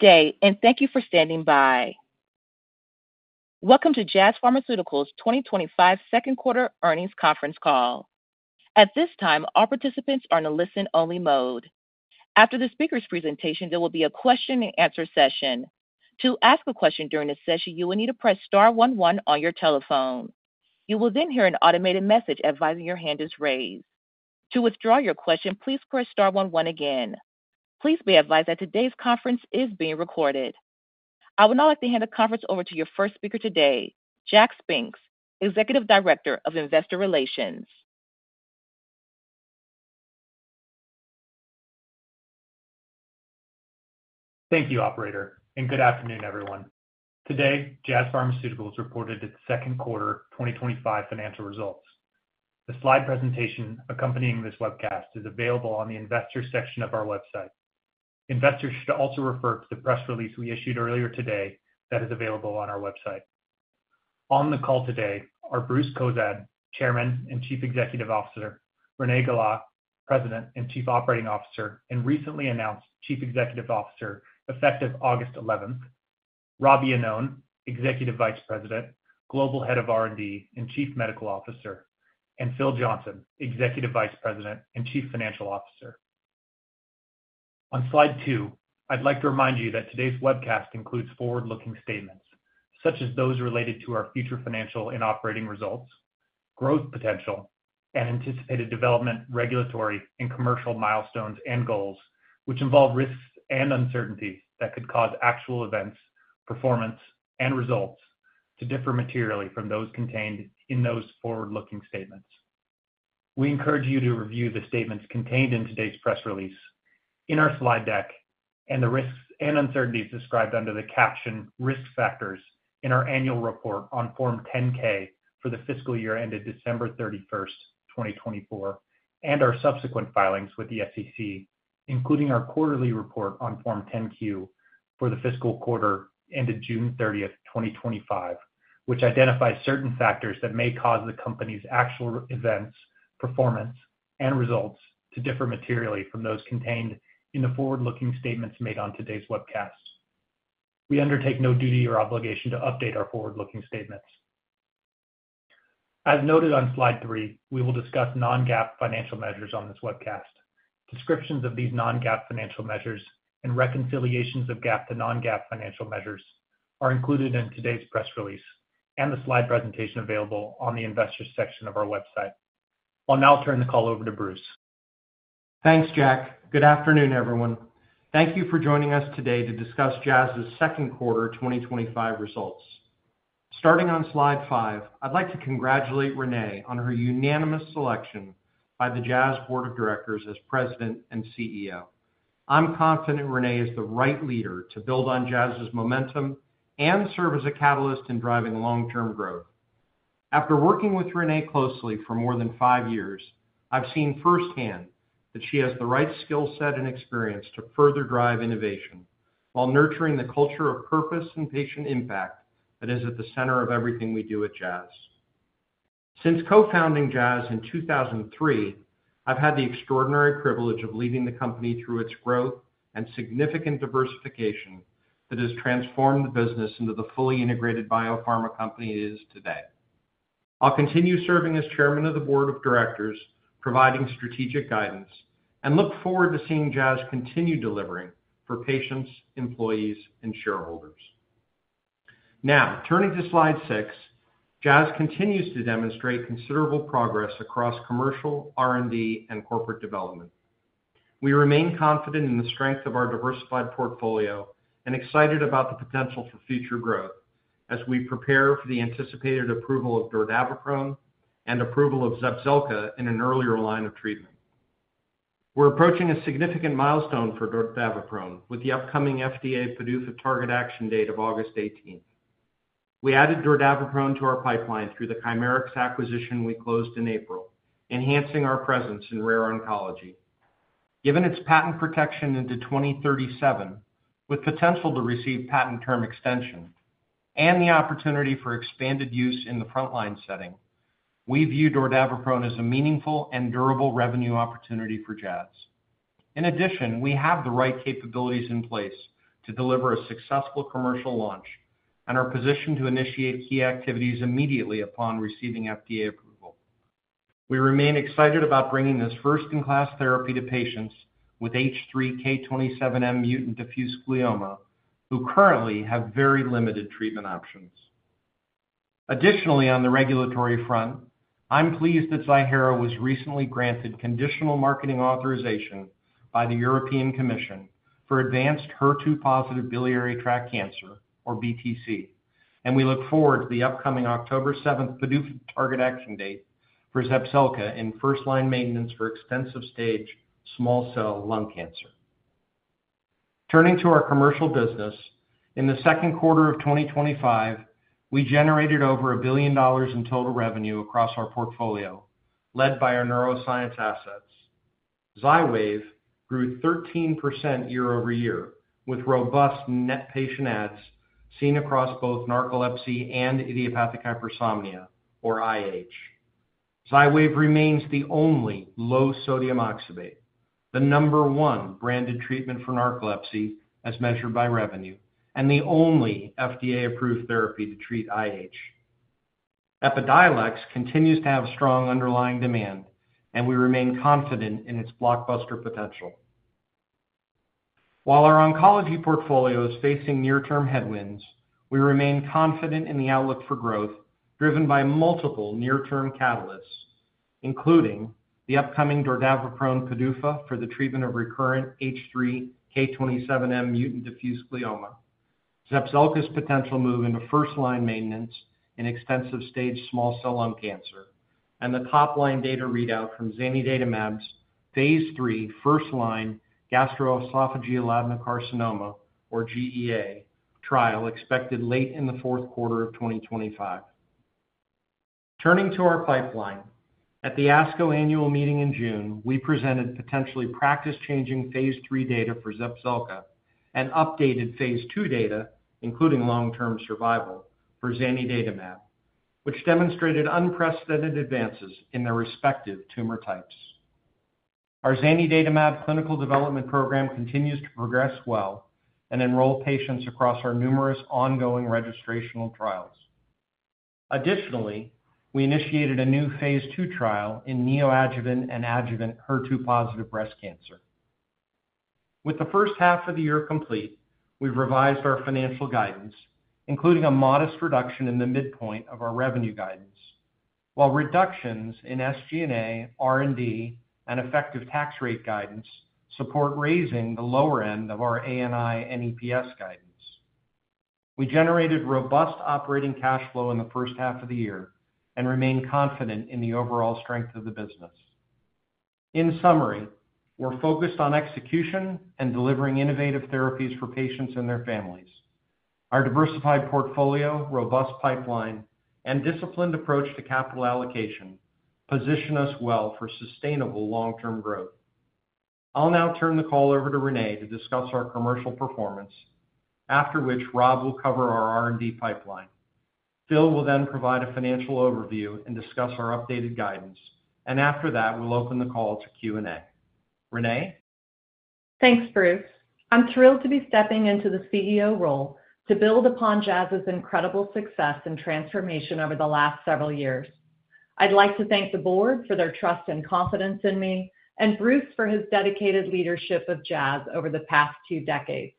Today, and thank you for standing by. Welcome to Jazz Pharmaceuticals' 2025 Second Quarter Earnings Conference Call. At this time, all participants are in a listen-only mode. After the speaker's presentation, there will be a question-and-answer session. To ask a question during this session, you will need to press *11 on your telephone. You will then hear an automated message advising your hand is raised. To withdraw your question, please press *11 again. Please be advised that today's conference is being recorded. I would now like to hand the conference over to your first speaker today, Jack Spinks, Executive Director of Investor Relations. Thank you, Operator, and good afternoon, everyone. Today, Jazz Pharmaceuticals reported its second quarter 2025 financial results. The slide presentation accompanying this webcast is available on the Investors section of our website. Investors should also refer to the press release we issued earlier today that is available on our website. On the call today are Bruce Cozadd, Chairman and Chief Executive Officer, Renee Gala, President and Chief Operating Officer and recently announced Chief Executive Officer, effective August 11th, Rob Iannone, Executive Vice President, Global Head of R&D and Chief Medical Officer, and Philip Johnson, Executive Vice President and Chief Financial Officer. On slide two, I'd like to remind you that today's webcast includes forward-looking statements, such as those related to our future financial and operating results, growth potential, and anticipated development, regulatory, and commercial milestones and goals, which involve risks and uncertainties that could cause actual events, performance, and results to differ materially from those contained in those forward-looking statements. We encourage you to review the statements contained in today's press release, in our slide deck, and the risks and uncertainties described under the caption "Risk Factors" in our annual report on Form 10-K for the fiscal year ended December 31st, 2024, and our subsequent filings with the SEC, including our quarterly report on Form 10-Q for the fiscal quarter ended June 30th, 2025, which identifies certain factors that may cause the company's actual events, performance, and results to differ materially from those contained in the forward-looking statements made on today's webcast. We undertake no duty or obligation to update our forward-looking statements. As noted on slide three, we will discuss non-GAAP financial measures on this webcast. Descriptions of these non-GAAP financial measures and reconciliations of GAAP to non-GAAP financial measures are included in today's press release and the slide presentation available on the Investors section of our website. I'll now turn the call over to Bruce. Thanks, Jack. Good afternoon, everyone. Thank you for joining us today to discuss Jazz's second quarter 2025 results. Starting on slide five, I'd like to congratulate Renee on her unanimous selection by the Jazz Board of Directors as President and CEO. I'm confident Renee is the right leader to build on Jazz's momentum and serve as a catalyst in driving long-term growth. After working with Renee closely for more than five years, I've seen firsthand that she has the right skill set and experience to further drive innovation while nurturing the culture of purpose and patient impact that is at the center of everything we do at Jazz. Since co-founding Jazz in 2003, I've had the extraordinary privilege of leading the company through its growth and significant diversification that has transformed the business into the fully integrated biopharma company it is today. I'll continue serving as Chairman of the Board of Directors, providing strategic guidance, and look forward to seeing Jazz continue delivering for patients, employees, and shareholders. Now, turning to slide six, Jazz continues to demonstrate considerable progress across commercial, R&D, and corporate development. We remain confident in the strength of our diversified portfolio and excited about the potential for future growth as we prepare for the anticipated approval of dordaviprone and approval of Zepzelca in an earlier line of treatment. We're approaching a significant milestone for dordaviprone with the upcoming FDA PDUFA target action date of August 18th. We added dordaviprone to our pipeline through the Chimerix acquisition we closed in April, enhancing our presence in rare oncology. Given its patent protection into 2037, with potential to receive patent term extensions and the opportunity for expanded use in the frontline setting, we view dordaviprone as a meaningful and durable revenue opportunity for Jazz. In addition, we have the right capabilities in place to deliver a successful commercial launch and are positioned to initiate key activities immediately upon receiving FDA approval. We remain excited about bringing this first-in-class therapy to patients with H3 K27M-mutant diffuse glioma, who currently have very limited treatment options. Additionally, on the regulatory front, I'm pleased that Ziihera was recently granted conditional marketing authorization by the European Commission for advanced HER2-positive biliary tract cancer, or BTC, and we look forward to the upcoming October 7th PDUFA target action date for Zepzelca in first-line maintenance for extensive stage small cell lung cancer. Turning to our commercial business, in the second quarter of 2025, we generated over $1 billion in total revenue across our portfolio led by our neuroscience assets. Xywav grew 13% year-over-year with robust net patient adds seen across both narcolepsy and idiopathic hypersomnia, or IH. Xywav remains the only low-sodium oxybate, the number one branded treatment for narcolepsy as measured by revenue, and the only FDA-approved therapy to treat IH. Epidiolex continues to have strong underlying demand, and we remain confident in its blockbuster potential. While our oncology portfolio is facing near-term headwinds, we remain confident in the outlook for growth driven by multiple near-term catalysts, including the upcoming dordaviprone PDUFA for the treatment of recurrent H3 K27M-mutant diffuse glioma, Zepzelca's potential move into first-line maintenance in extensive stage small cell lung cancer, and the top-line data readout from zanidatamab's phase III first-line gastroesophageal adenocarcinoma, or GEA, trial expected late in the fourth quarter of 2025. Turning to our pipeline, at the ASCO annual meeting in June, we presented potentially practice-changing phase III data for Zepzelca and updated phase II data, including long-term survival, for zanidatamab, which demonstrated unprecedented advances in their respective tumor types. Our zanidatamab clinical development program continues to progress well and enroll patients across our numerous ongoing registrational trials. Additionally, we initiated a new phase II trial in neoadjuvant and adjuvant HER2-positive breast cancer. With the first half of the year complete, we've revised our financial guidance, including a modest reduction in the midpoint of our revenue guidance, while reductions in SG&A, R&D, and effective tax rate guidance support raising the lower end of our ANI and EPS guidance. We generated robust operating cash flow in the first half of the year and remain confident in the overall strength of the business. In summary, we're focused on execution and delivering innovative therapies for patients and their families. Our diversified portfolio, robust pipeline, and disciplined approach to capital allocation position us well for sustainable long-term growth. I'll now turn the call over to Renee to discuss our commercial performance, after which Rob will cover our R&D pipeline. Phil will then provide a financial overview and discuss our updated guidance, and after that, we'll open the call to Q&A. Renee? Thanks, Bruce. I'm thrilled to be stepping into the CEO role to build upon Jazz's incredible success and transformation over the last several years. I'd like to thank the Board for their trust and confidence in me, and Bruce for his dedicated leadership of Jazz over the past two decades.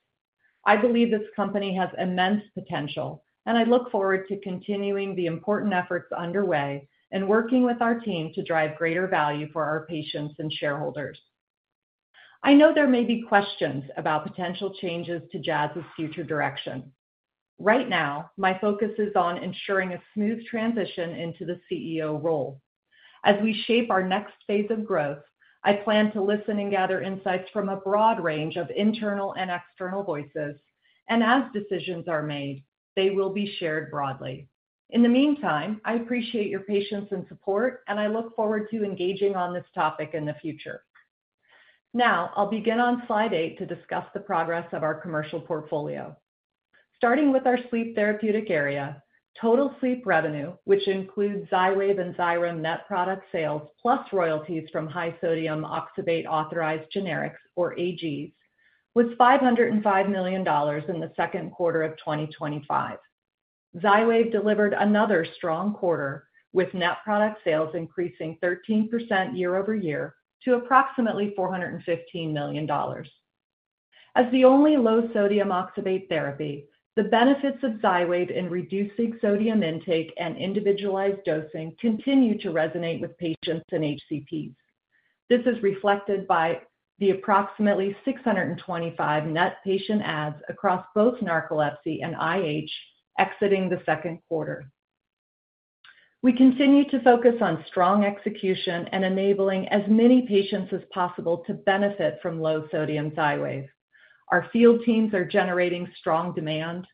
I believe this company has immense potential, and I look forward to continuing the important efforts underway and working with our team to drive greater value for our patients and shareholders. I know there may be questions about potential changes to Jazz's future direction. Right now, my focus is on ensuring a smooth transition into the CEO role. As we shape our next phase of growth, I plan to listen and gather insights from a broad range of internal and external voices, and as decisions are made, they will be shared broadly. In the meantime, I appreciate your patience and support, and I look forward to engaging on this topic in the future. Now, I'll begin on slide eight to discuss the progress of our commercial portfolio. Starting with our sleep therapeutic area, total sleep revenue, which includes Xywav and Xyrem net product sales, plus royalties from high-sodium oxybate authorized generics, or AGs, was $505 million in the second quarter of 2025. Xywav delivered another strong quarter, with net product sales increasing 13% year-over-year to approximately $415 million. As the only low-sodium oxybate therapy, the benefits of Xywav in reducing sodium intake and individualized dosing continue to resonate with patients and HCPs. This is reflected by the approximately 625 net patient adds across both narcolepsy and idiopathic hypersomnia exiting the second quarter. We continue to focus on strong execution and enabling as many patients as possible to benefit from low-sodium Xywav. Our field teams are generating strong demand,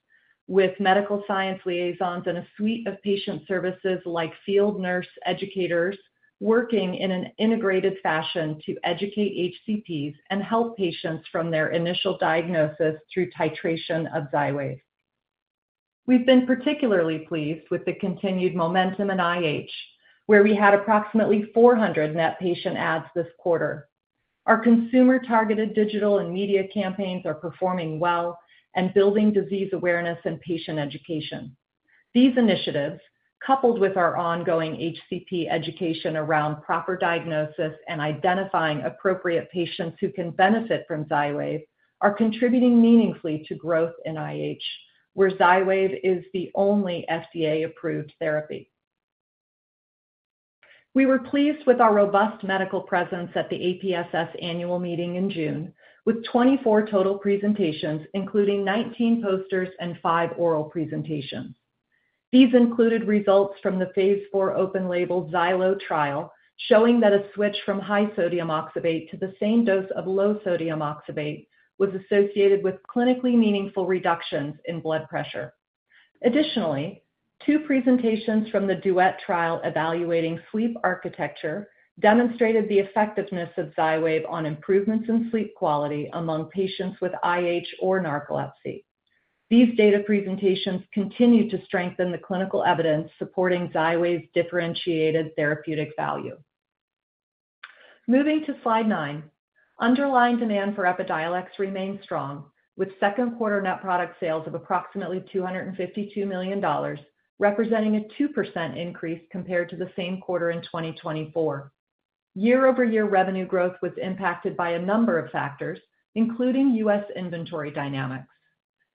with medical science liaisons and a suite of patient services like field nurse educators working in an integrated fashion to educate HCPs and help patients from their initial diagnosis through titration of Xywav. We've been particularly pleased with the continued momentum in IH, where we had approximately 400 net patient adds this quarter. Our consumer-targeted digital and media campaigns are performing well and building disease awareness and patient education. These initiatives, coupled with our ongoing HCP education around proper diagnosis and identifying appropriate patients who can benefit from Xywav, are contributing meaningfully to growth in IH, where Xywav is the only FDA-approved therapy. We were pleased with our robust medical presence at the APSS annual meeting in June, with 24 total presentations, including 19 posters and five oral presentations. These included results from the phase IV open-label XYLO trial, showing that a switch from high-sodium oxybate to the same dose of low-sodium oxybate was associated with clinically meaningful reductions in blood pressure. Additionally, two presentations from the Duet trial evaluating sleep architecture demonstrated the effectiveness of Xywav on improvements in sleep quality among patients with IH or narcolepsy. These data presentations continue to strengthen the clinical evidence supporting Xywav's differentiated therapeutic value. Moving to slide nine, underlying demand for Epidiolex remains strong, with second-quarter net product sales of approximately $252 million, representing a 2% increase compared to the same quarter in 2024. Year-over-year revenue growth was impacted by a number of factors, including U.S. inventory dynamics.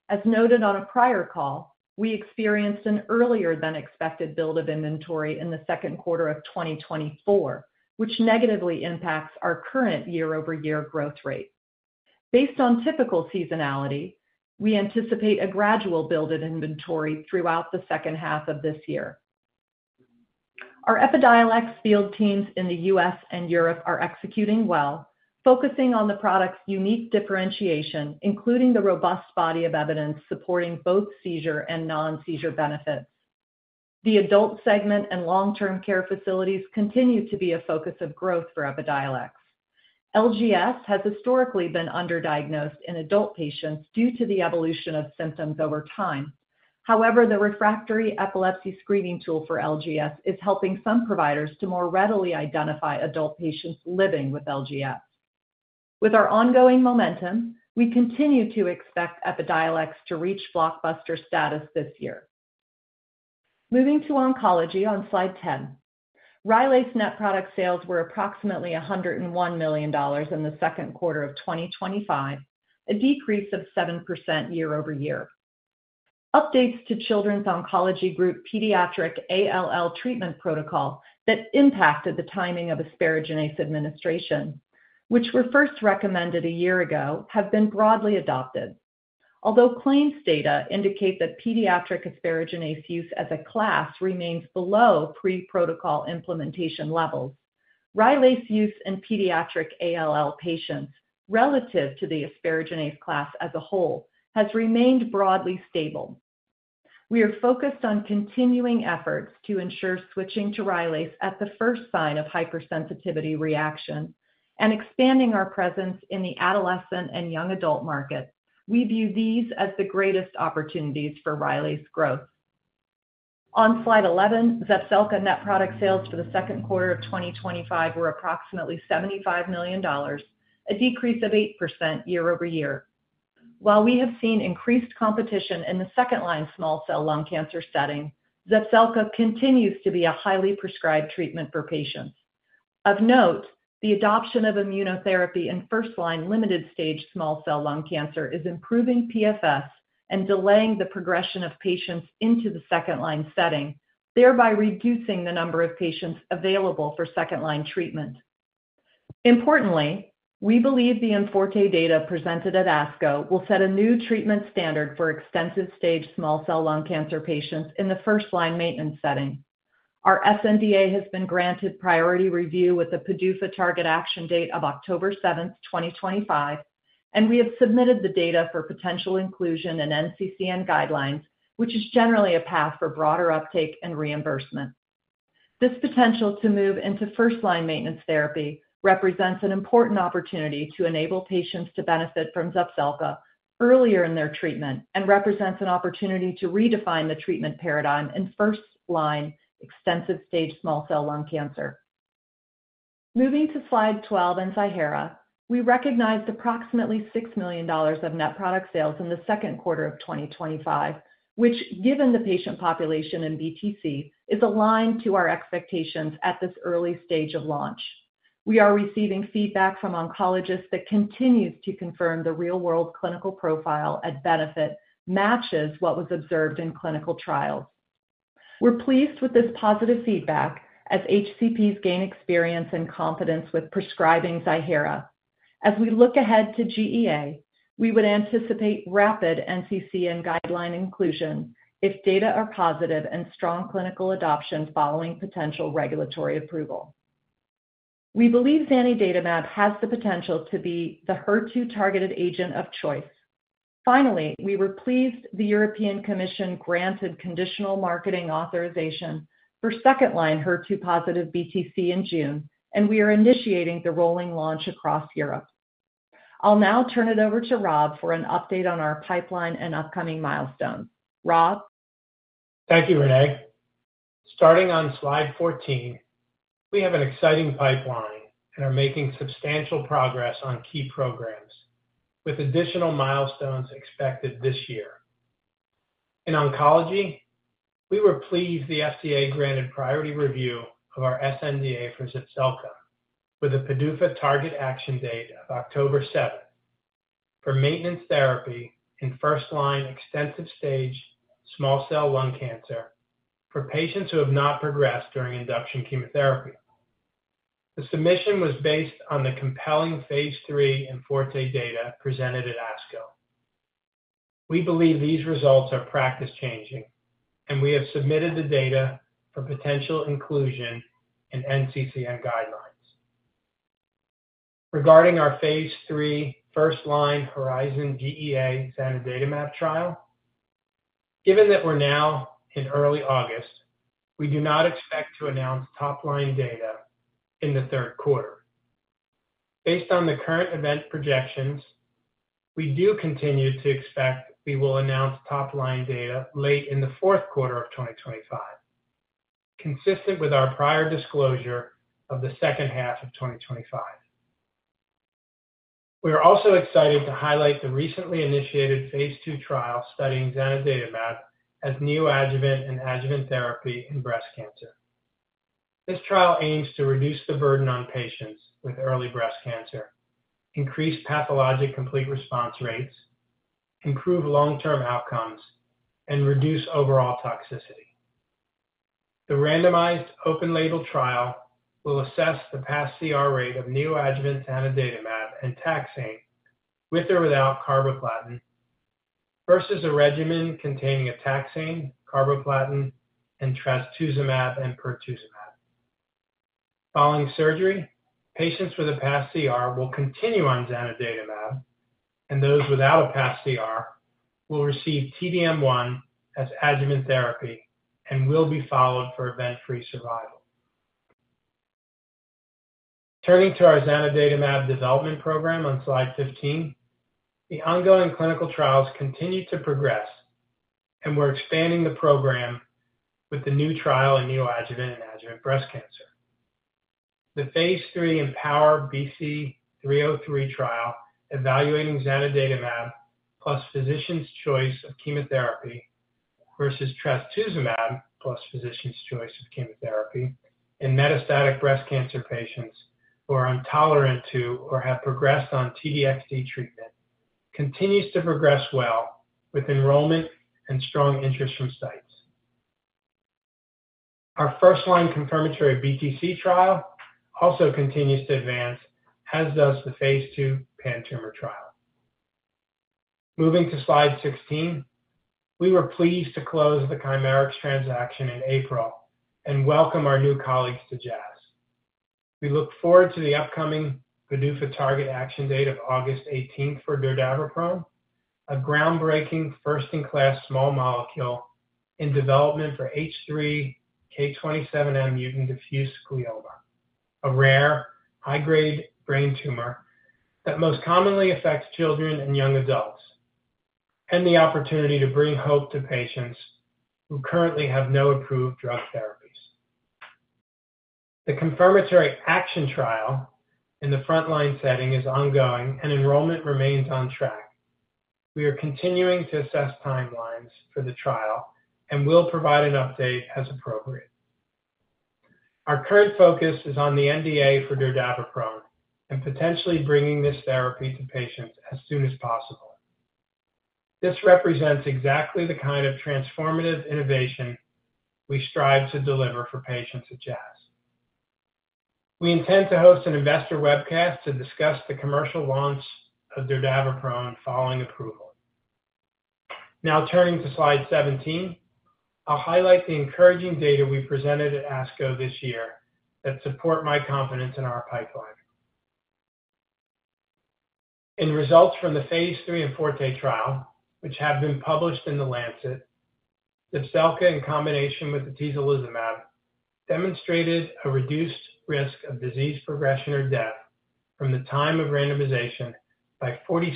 As noted on a prior call, we experienced an earlier-than-expected build of inventory in the second quarter of 2024, which negatively impacts our current year-over-year growth rate. Based on typical seasonality, we anticipate a gradual build of inventory throughout the second half of this year. Our Epidiolex field teams in the U.S. and Europe are executing well, focusing on the product's unique differentiation, including the robust body of evidence supporting both seizure and non-seizure benefit. The adult segment and long-term care facilities continue to be a focus of growth for Epidiolex. LGS has historically been underdiagnosed in adult patients due to the evolution of symptoms over time. However, the refractory epilepsy screening tool for LGS is helping some providers to more readily identify adult patients living with LGS. With our ongoing momentum, we continue to expect Epidiolex to reach blockbuster status this year. Moving to oncology on slide 10, Rylaze's net product sales were approximately $101 million in the second quarter of 2025, a decrease of 7% year-over-year. Updates to Children's Oncology Group pediatric ALL treatment protocol that impacted the timing of asparaginase administration, which were first recommended a year ago, have been broadly adopted. Although claims data indicate that pediatric asparaginase use as a class remains below pre-protocol implementation levels, Rylaze's use in pediatric ALL patients relative to the asparaginase class as a whole has remained broadly stable. We are focused on continuing efforts to ensure switching to Rylaze at the first sign of hypersensitivity reaction and expanding our presence in the adolescent and young adult market. We view these as the greatest opportunities for Rylaze's growth. On slide 11, Zepzelca net product sales for the second quarter of 2025 were approximately $75 million, a decrease of 8% year-over-year. While we have seen increased competition in the second-line small cell lung cancer setting, Zepzelca continues to be a highly prescribed treatment for patients. Of note, the adoption of immunotherapy in first-line limited stage small cell lung cancer is improving PFS and delaying the progression of patients into the second-line setting, thereby reducing the number of patients available for second-line treatment. Importantly, we believe the IMforte data presented at ASCO will set a new treatment standard for extensive stage small cell lung cancer patients in the first-line maintenance setting. Our sNDA has been granted priority review with the PDUFA target action date of October 7th, 2025, and we have submitted the data for potential inclusion in NCCN guidelines, which is generally a path for broader uptake and reimbursement. This potential to move into first-line maintenance therapy represents an important opportunity to enable patients to benefit from Zepzelca earlier in their treatment and represents an opportunity to redefine the treatment paradigm in first-line extensive stage small cell lung cancer. Moving to slide 12 and Ziihera, we recognized approximately $6 million of net product sales in the second quarter of 2025, which, given the patient population and BTC, is aligned to our expectations at this early stage of launch. We are receiving feedback from oncologists that continues to confirm the real-world clinical profile and benefit matches what was observed in clinical trials. We're pleased with this positive feedback as HCPs gain experience and confidence with prescribing Ziihera. As we look ahead to GEA, we would anticipate rapid NCCN guideline inclusion if data are positive and strong clinical adoptions following potential regulatory approval. We believe zanidatamab has the potential to be the HER2-targeted agent of choice. Finally, we were pleased the European Commission granted conditional marketing authorization for second-line HER2-positive biliary tract cancer in June, and we are initiating the rolling launch across Europe. I'll now turn it over to Rob for an update on our pipeline and upcoming milestones. Rob? Thank you, Renee. Starting on slide 14, we have an exciting pipeline and are making substantial progress on key programs with additional milestones expected this year. In oncology, we were pleased the FDA granted priority review of our sNDA for Zepzelca with a PDUFA target action date of October 7 for maintenance therapy in first-line extensive stage small cell lung cancer for patients who have not progressed during induction chemotherapy. The submission was based on the compelling phase III IMforte data presented at ASCO. We believe these results are practice-changing, and we have submitted the data for potential inclusion in NCCN guidelines. Regarding our phase III first-line Horizon GEA zanidatamab trial, given that we're now in early August, we do not expect to announce top-line data in the third quarter. Based on the current event projections, we do continue to expect we will announce top-line data late in the fourth quarter of 2025, consistent with our prior disclosure of the second half of 2025. We are also excited to highlight the recently initiated phase II trial studying zanidatamab as neoadjuvant and adjuvant therapy in breast cancer. This trial aims to reduce the burden on patients with early breast cancer, increase pathologic complete response rates, improve long-term outcomes, and reduce overall toxicity. The randomized open-label trial will assess the pCR rate of neoadjuvant zanidatamab and taxane, with or without carboplatin, versus a regimen containing a taxane, carboplatin, and trastuzumab and pertuzumab. Following surgery, patients with a pCR will continue on zanidatamab, and those without a pCR will receive T-DM1 as adjuvant therapy and will be followed for event-free survival. Turning to our zanidatamab development program on slide 15, the ongoing clinical trials continue to progress, and we're expanding the program with the new trial in neoadjuvant and adjuvant breast cancer. The phase III EmpowHER-BC-303 trial evaluating zanidatamab plus physician's choice of chemotherapy versus trastuzumab plus physician's choice of chemotherapy in metastatic breast cancer patients who are intolerant to or have progressed on T-DXd treatment continues to progress well with enrollment and strong interest from sites. Our first-line confirmatory BTC trial also continues to advance, as does the phase II pan tumor trial. Moving to slide 16, we were pleased to close the Chimerix transaction in April and welcome our new colleagues to Jazz. We look forward to the upcoming PDUFA target action date of August 18th for dordaviprone, a groundbreaking first-in-class small molecule in development for H3 K27M-mutant diffuse glioma, a rare high-grade brain tumor that most commonly affects children and young adults, and the opportunity to bring hope to patients who currently have no approved drug therapies. The confirmatory action trial in the frontline setting is ongoing, and enrollment remains on track. We are continuing to assess timelines for the trial and will provide an update as appropriate. Our current focus is on the NDA for dordaviprone and potentially bringing this therapy to patients as soon as possible. This represents exactly the kind of transformative innovation we strive to deliver for patients at Jazz. We intend to host an investor webcast to discuss the commercial launch of dordaviprone following approval. Now, turning to slide 17, I'll highlight the encouraging data we presented at ASCO this year that support my confidence in our pipeline. In results from the phase III IMforte trial, which have been published in The Lancet, Zepzelca in combination with atezolizumab demonstrated a reduced risk of disease progression or death from the time of randomization by 46%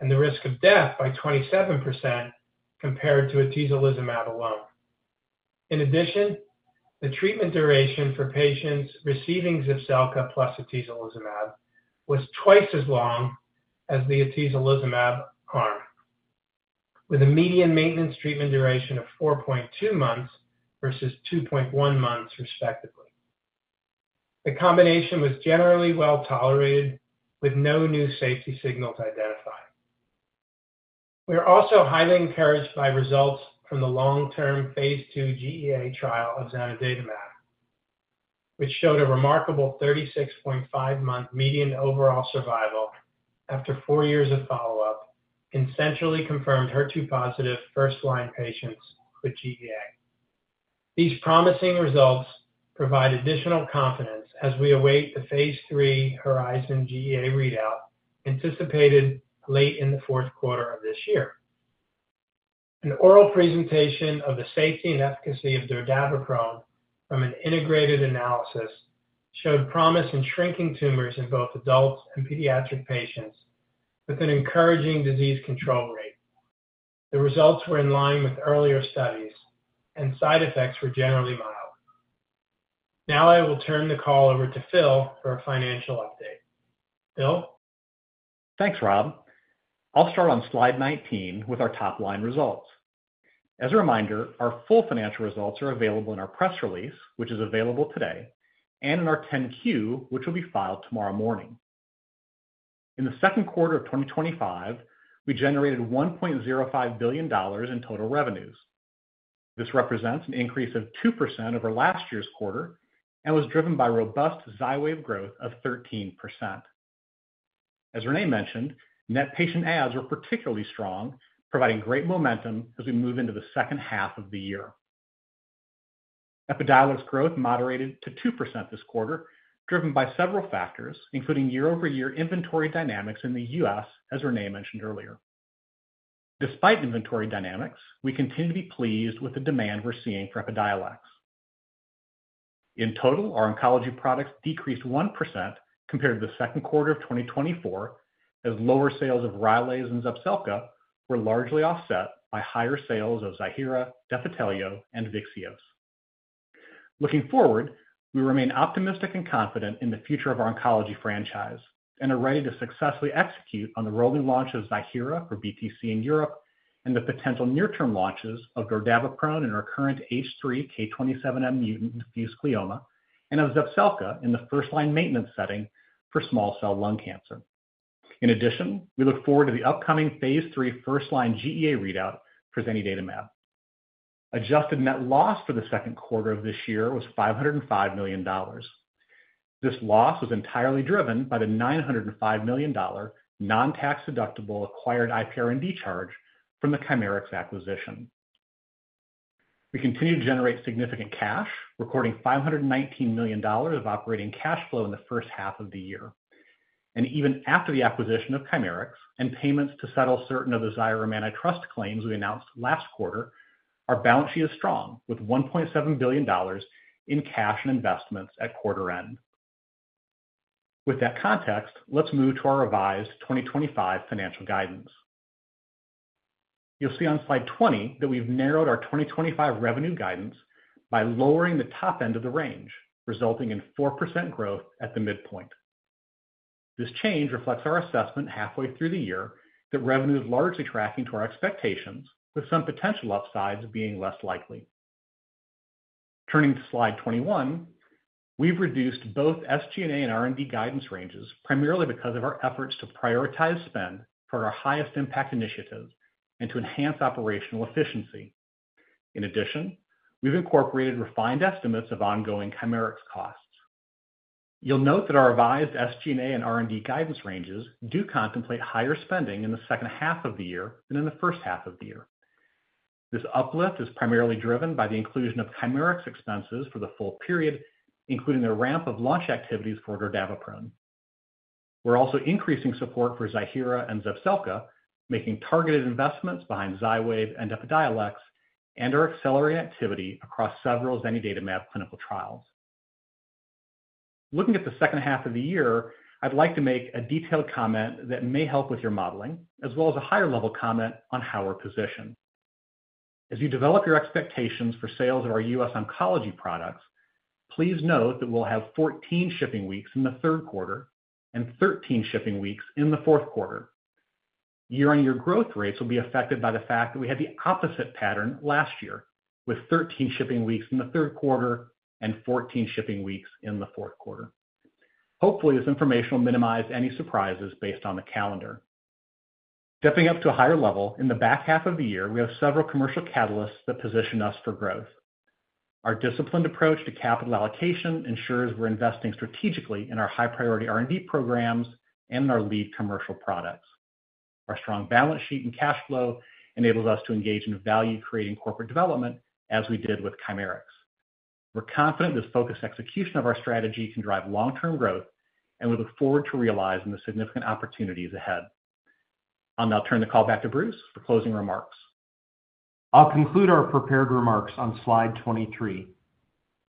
and the risk of death by 27% compared to atezolizumab alone. In addition, the treatment duration for patients receiving Zepzelca plus atezolizumab was twice as long as the atezolizumab arm, with a median maintenance treatment duration of 4.2 months versus 2.1 months, respectively. The combination was generally well tolerated, with no new safety signals identified. We are also highly encouraged by results from the long-term phase II GEA trial of zanidatamab, which showed a remarkable 36.5-month median overall survival after four years of follow-up in centrally confirmed HER2-positive first-line patients with GEA. These promising results provide additional confidence as we await the phase III Horizon GEA readout anticipated late in the fourth quarter of this year. An oral presentation of the safety and efficacy of dordaviprone from an integrated analysis showed promise in shrinking tumors in both adults and pediatric patients with an encouraging disease control rate. The results were in line with earlier studies, and side effects were generally mild. Now, I will turn the call over to Philip for a financial update. Philip? Thanks, Rob. I'll start on slide 19 with our top-line results. As a reminder, our full financial results are available in our press release, which is available today, and in our 10-Q, which will be filed tomorrow morning. In the second quarter of 2025, we generated $1.05 billion in total revenues. This represents an increase of 2% over last year's quarter and was driven by robust Xywav growth of 13%. As Renee mentioned, net patient adds were particularly strong, providing great momentum as we move into the second half of the year. Epidiolex growth moderated to 2% this quarter, driven by several factors, including year-over-year inventory dynamics in the U.S., as Renee mentioned earlier. Despite inventory dynamics, we continue to be pleased with the demand we're seeing for Epidiolex. In total, our oncology products decreased 1% compared to the second quarter of 2024, as lower sales of Rylaze and Zepzelca were largely offset by higher sales of Ziihera, Defitelio, and Vyxeos. Looking forward, we remain optimistic and confident in the future of our oncology franchise and are ready to successfully execute on the rolling launch of Ziihera for BTC in Europe and the potential near-term launches of dordaviprone in our current H3 K27M-mutant diffuse glioma and of Zepzelca in the first-line maintenance setting for small cell lung cancer. In addition, we look forward to the upcoming phase III first-line GEA readout for zanidatamab. Adjusted net loss for the second quarter of this year was $505 million. This loss was entirely driven by the $905 million non-tax deductible acquired IPR&D charge from the Chimerix acquisition. We continue to generate significant cash, recording $519 million of operating cash flow in the first half of the year. Even after the acquisition of Chimerix and payments to settle certain of the Xyrem antitrust claims we announced last quarter, our balance sheet is strong with $1.7 billion in cash and investments at quarter end. With that context, let's move to our revised 2025 financial guidance. You'll see on slide 20 that we've narrowed our 2025 revenue guidance by lowering the top end of the range, resulting in 4% growth at the midpoint. This change reflects our assessment halfway through the year that revenue is largely tracking to our expectations, with some potential upsides being less likely. Turning to slide 21, we've reduced both SG&A and R&D guidance ranges primarily because of our efforts to prioritize spend for our highest impact initiatives and to enhance operational efficiency. In addition, we've incorporated refined estimates of ongoing Chimerix costs. You'll note that our revised SG&A and R&D guidance ranges do contemplate higher spending in the second half of the year than in the first half of the year. This uplift is primarily driven by the inclusion of Chimerix expenses for the full period, including a ramp of launch activities for dordaviprone. We're also increasing support for Ziihera and Zepzelca, making targeted investments behind Xywav and Epidiolex and/or accelerating activity across several zanidatamab clinical trials. Looking at the second half of the year, I'd like to make a detailed comment that may help with your modeling, as well as a higher-level comment on how we're positioned. As you develop your expectations for sales of our U.S. oncology products, please note that we'll have 14 shipping weeks in the third quarter and 13 shipping weeks in the fourth quarter. Year-on-year growth rates will be affected by the fact that we had the opposite pattern last year, with 13 shipping weeks in the third quarter and 14 shipping weeks in the fourth quarter. Hopefully, this information will minimize any surprises based on the calendar. Stepping up to a higher level, in the back half of the year, we have several commercial catalysts that position us for growth. Our disciplined approach to capital allocation ensures we're investing strategically in our high-priority R&D programs and in our lead commercial products. Our strong balance sheet and cash flow enable us to engage in value-creating corporate development as we did with Chimerix. We're confident this focused execution of our strategy can drive long-term growth, and we look forward to realizing the significant opportunities ahead. I'll now turn the call back to Bruce for closing remarks. I'll conclude our prepared remarks on slide 23.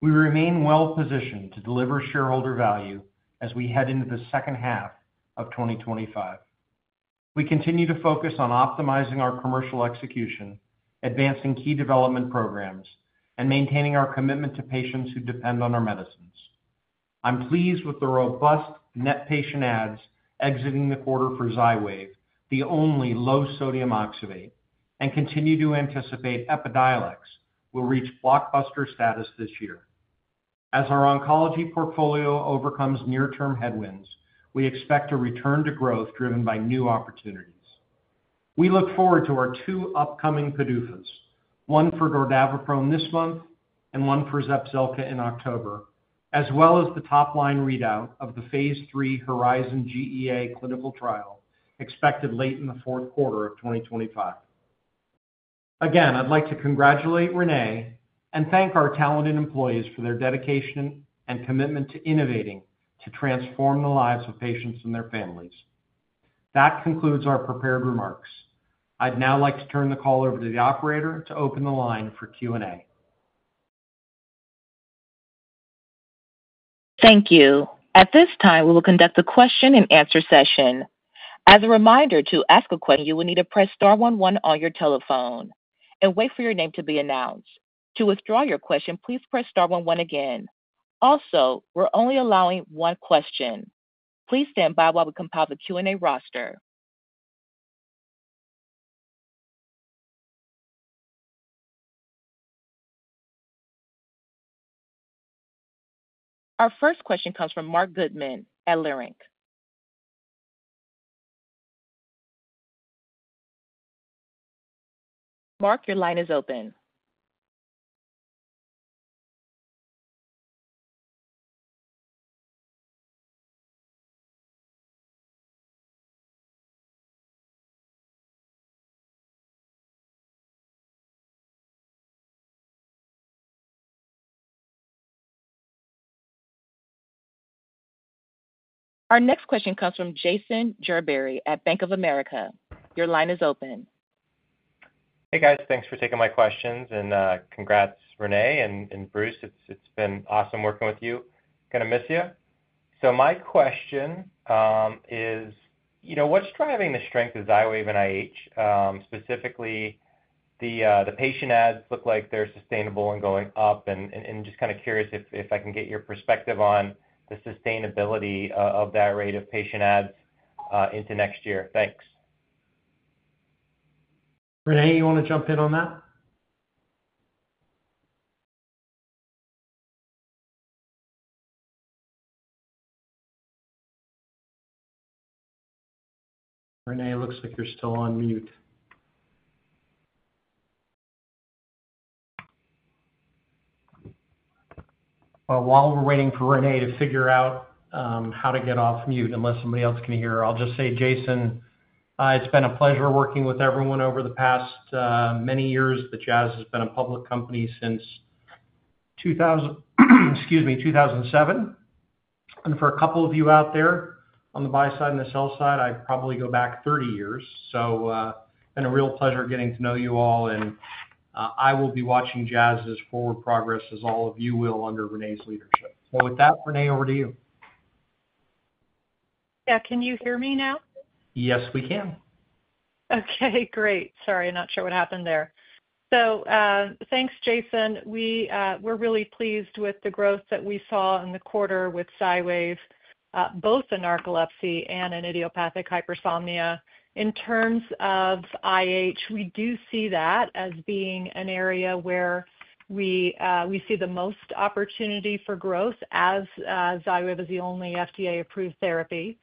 We remain well-positioned to deliver shareholder value as we head into the second half of 2025. We continue to focus on optimizing our commercial execution, advancing key development programs, and maintaining our commitment to patients who depend on our medicines. I'm pleased with the robust net patient adds exiting the quarter for Xywav, the only low-sodium oxybate, and continue to anticipate Epidiolex will reach blockbuster status this year. As our oncology portfolio overcomes near-term headwinds, we expect a return to growth driven by new opportunities. We look forward to our two upcoming PDUFA dates, one for dordaviprone this month and one for Zepzelca in October, as well as the top-line readout of the phase III Horizon GEA clinical trial expected late in the fourth quarter of 2025. Again, I'd like to congratulate Renee and thank our talented employees for their dedication and commitment to innovating to transform the lives of patients and their families. That concludes our prepared remarks. I'd now like to turn the call over to the Operator to open the line for Q&A. Thank you. At this time, we will conduct the question and answer session. As a reminder, to ask a question, you will need to press star one-one on your telephone and wait for your name to be announced. To withdraw your question, please press star one-one again. Also, we're only allowing one question. Please stand by while we compile the Q&A roster. Our first question comes from Marc Goodman at Leerink. Mark, your line is open. Our next question comes from Jason Gerberry at Bank of America. Your line is open. Hey, guys. Thanks for taking my questions, and congrats, Renee and Bruce. It's been awesome working with you. Going to miss you. My question is, you know, what's driving the strength of Xywav and IH? Specifically, the patient adds look like they're sustainable and going up, and I'm just kind of curious if I can get your perspective on the sustainability of that rate of patient ads into next year. Thanks. Renee, you want to jump in on that? Renee, it looks like you're still on mute. While we're waiting for Renee to figure out how to get off mute unless somebody else can hear, I'll just say, Jason, it's been a pleasure working with everyone over the past many years. Jazz has been a public company since 2007. For a couple of you out there on the buy side and the sell side, I'd probably go back 30 years. It's been a real pleasure getting to know you all, and I will be watching Jazz's forward progress as all of you will under Renee's leadership. With that, Renee, over to you. Yeah, can you hear me now? Yes, we can. Okay. Great. Sorry, I'm not sure what happened there. Thanks, Jason. We're really pleased with the growth that we saw in the quarter with Xywav, both in narcolepsy and in idiopathic hypersomnia. In terms of IH, we do see that as being an area where we see the most opportunity for growth, as Xywav is the only FDA-approved therapy.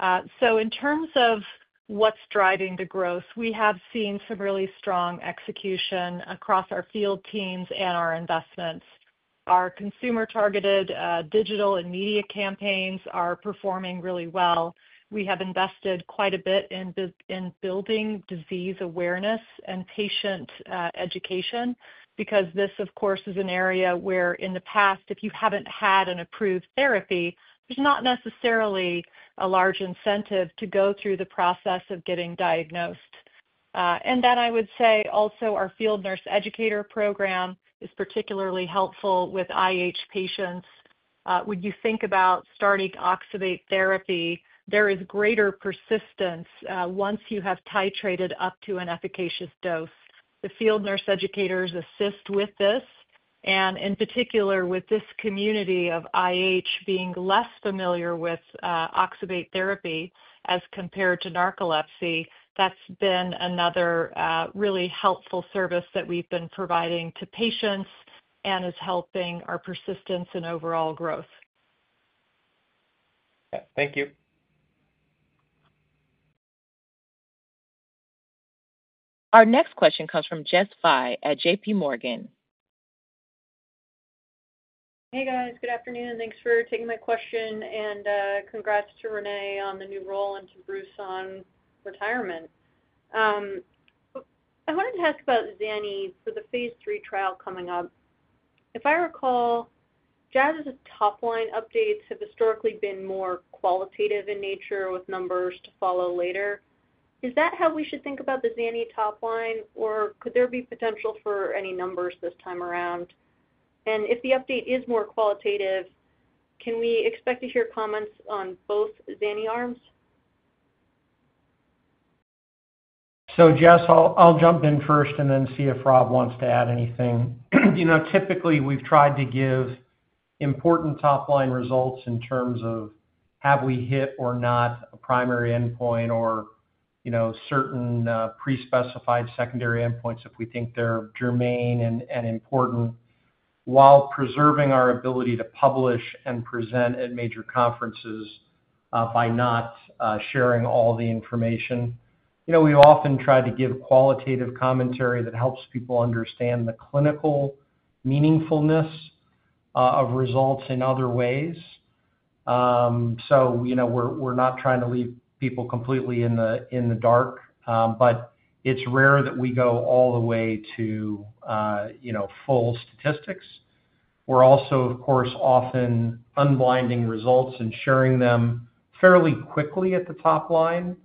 In terms of what's driving the growth, we have seen some really strong execution across our field teams and our investments. Our consumer-targeted digital and media campaigns are performing really well. We have invested quite a bit in building disease awareness and patient education because this, of course, is an area where in the past, if you haven't had an approved therapy, there's not necessarily a large incentive to go through the process of getting diagnosed. I would say also our field nurse educator program is particularly helpful with IH patients. When you think about starting oxybate therapy, there is greater persistence once you have titrated up to an efficacious dose. The field nurse educators assist with this, and in particular with this community of IH being less familiar with oxybate therapy as compared to narcolepsy, that's been another really helpful service that we've been providing to patients and is helping our persistence and overall growth. Yeah, thank you. Our next question comes from Jess Fye at JPMorgan. Hey, guys. Good afternoon. Thanks for taking my question, and congrats to Renee on the new role and to Bruce on retirement. I wanted to ask about zanidatamab, for the phase III trial coming up. If I recall, Jazz's top-line updates have historically been more qualitative in nature with numbers to follow later. Is that how we should think about the zanidatamab top line, or could there be potential for any numbers this time around? If the update is more qualitative, can we expect to hear comments on both zanidatamab arms? Jess, I'll jump in first and then see if Rob wants to add anything. Typically, we've tried to give important top-line results in terms of have we hit or not a primary endpoint or certain pre-specified secondary endpoints if we think they're germane and important while preserving our ability to publish and present at major conferences by not sharing all the information. We've often tried to give qualitative commentary that helps people understand the clinical meaningfulness of results in other ways. We're not trying to leave people completely in the dark, but it's rare that we go all the way to full statistics. We're also, of course, often unblinding results and sharing them fairly quickly at the top line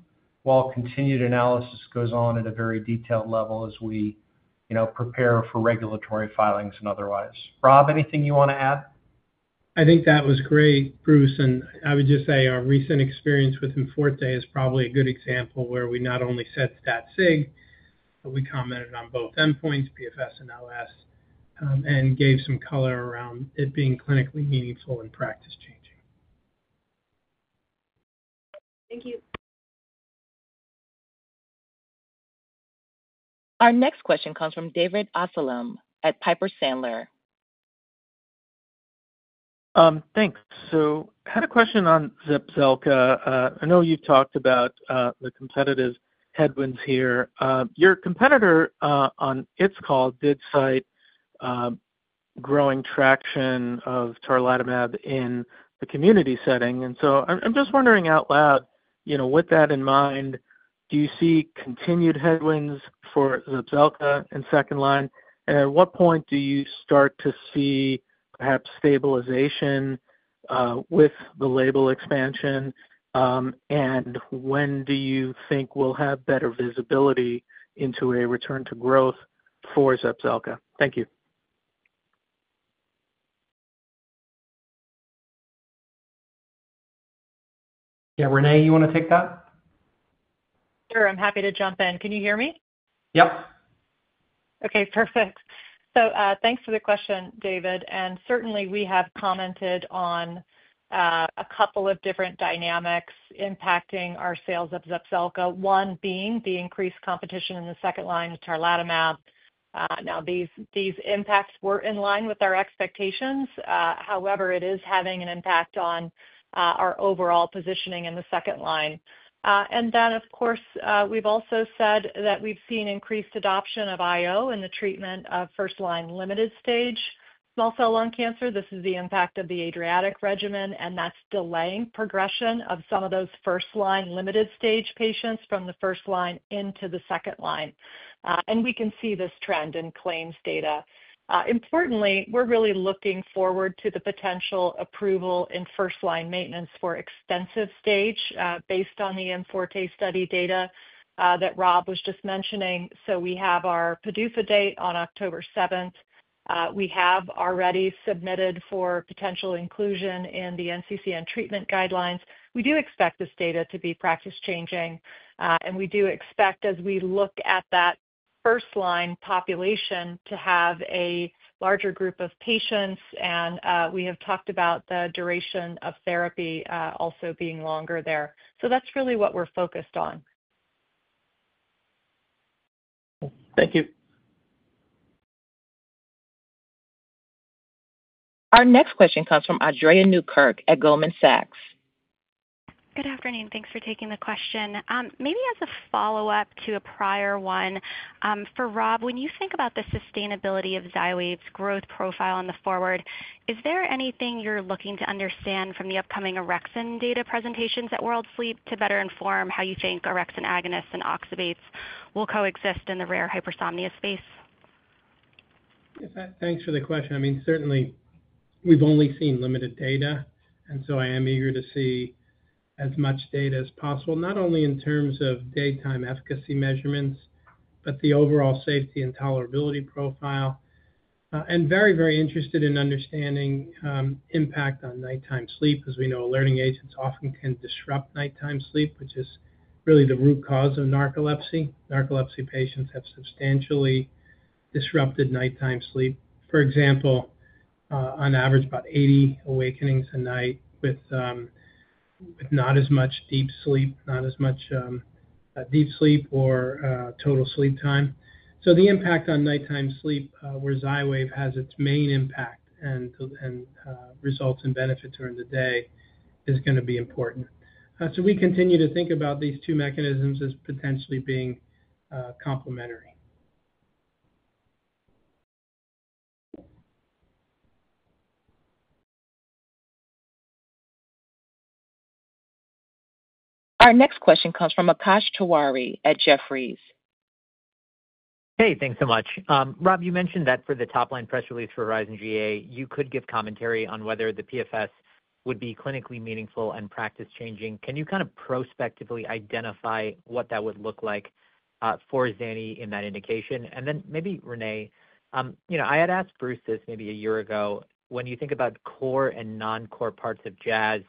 while continued analysis goes on at a very detailed level as we prepare for regulatory filings and otherwise. Rob, anything you want to add? I think that was great, Bruce. I would just say our recent experience with IMforte is probably a good example where we not only set stat sig, but we commented on both endpoints, PFS and OS, and gave some color around it being clinically meaningful in practice. Our next question comes from David Amsellem at Piper Sandler. Thanks. I had a question on Zepzelca. I know you've talked about the competitive headwinds here. Your competitor on its call did cite growing traction of Tirelatumab in the community setting. I'm just wondering out loud, with that in mind, do you see continued headwinds for Zepzelca in second line? At what point do you start to see perhaps stabilization with the label expansion? When do you think we'll have better visibility into a return to growth for Zepzelca? Thank you. Yeah. Renee, you want to take that? Sure, I'm happy to jump in. Can you hear me? Yes. Okay. Perfect. Thanks for the question, David. Certainly, we have commented on a couple of different dynamics impacting our sales of Zepzelca, one being the increased competition in the second line of tiragolumab. These impacts were in line with our expectations. However, it is having an impact on our overall positioning in the second line. We have also said that we've seen increased adoption of IO in the treatment of first-line limited stage small cell lung cancer. This is the impact of the Adriatic regimen, and that's delaying progression of some of those first-line limited stage patients from the first line into the second line. We can see this trend in claims data. Importantly, we're really looking forward to the potential approval in first-line maintenance for extensive stage based on the IMforte study data that Rob was just mentioning. We have our PDUFA date on October 7th. We have already submitted for potential inclusion in the NCCN treatment guidelines. We do expect this data to be practice-changing, and we do expect, as we look at that first-line population, to have a larger group of patients. We have talked about the duration of therapy also being longer there. That's really what we're focused on. Thank you. Our next question comes from Andrea Newkirk at Goldman Sachs. Good afternoon. Thanks for taking the question. Maybe as a follow-up to a prior one, for Rob, when you think about the sustainability of Xywav's growth profile on the forward, is there anything you're looking to understand from the upcoming orexin data presentations at World Sleep to better inform how you think orexin agonists and oxybates will coexist in the rare hypersomnia space? Thanks for the question. Certainly, we've only seen limited data, and I am eager to see as much data as possible, not only in terms of daytime efficacy measurements, but the overall safety and tolerability profile. I am very, very interested in understanding the impact on nighttime sleep. As we know, alerting agents often can disrupt nighttime sleep, which is really the root cause of narcolepsy. Narcolepsy patients have substantially disrupted nighttime sleep. For example, on average, about 80 awakenings a night with not as much deep sleep or total sleep time. The impact on nighttime sleep, where Xywav has its main impact and results and benefits during the day, is going to be important. We continue to think about these two mechanisms as potentially being complementary. Our next question comes from Akash Tewari at Jefferies. Hey, thanks so much. Rob, you mentioned that for the top-line press release for Horizon GEA, you could give commentary on whether the PFS would be clinically meaningful and practice-changing. Can you kind of prospectively identify what that would look like for zanidatamab in that indication? Maybe, Renee, I had asked Bruce this maybe a year ago. When you think about core and non-core parts of Jazz,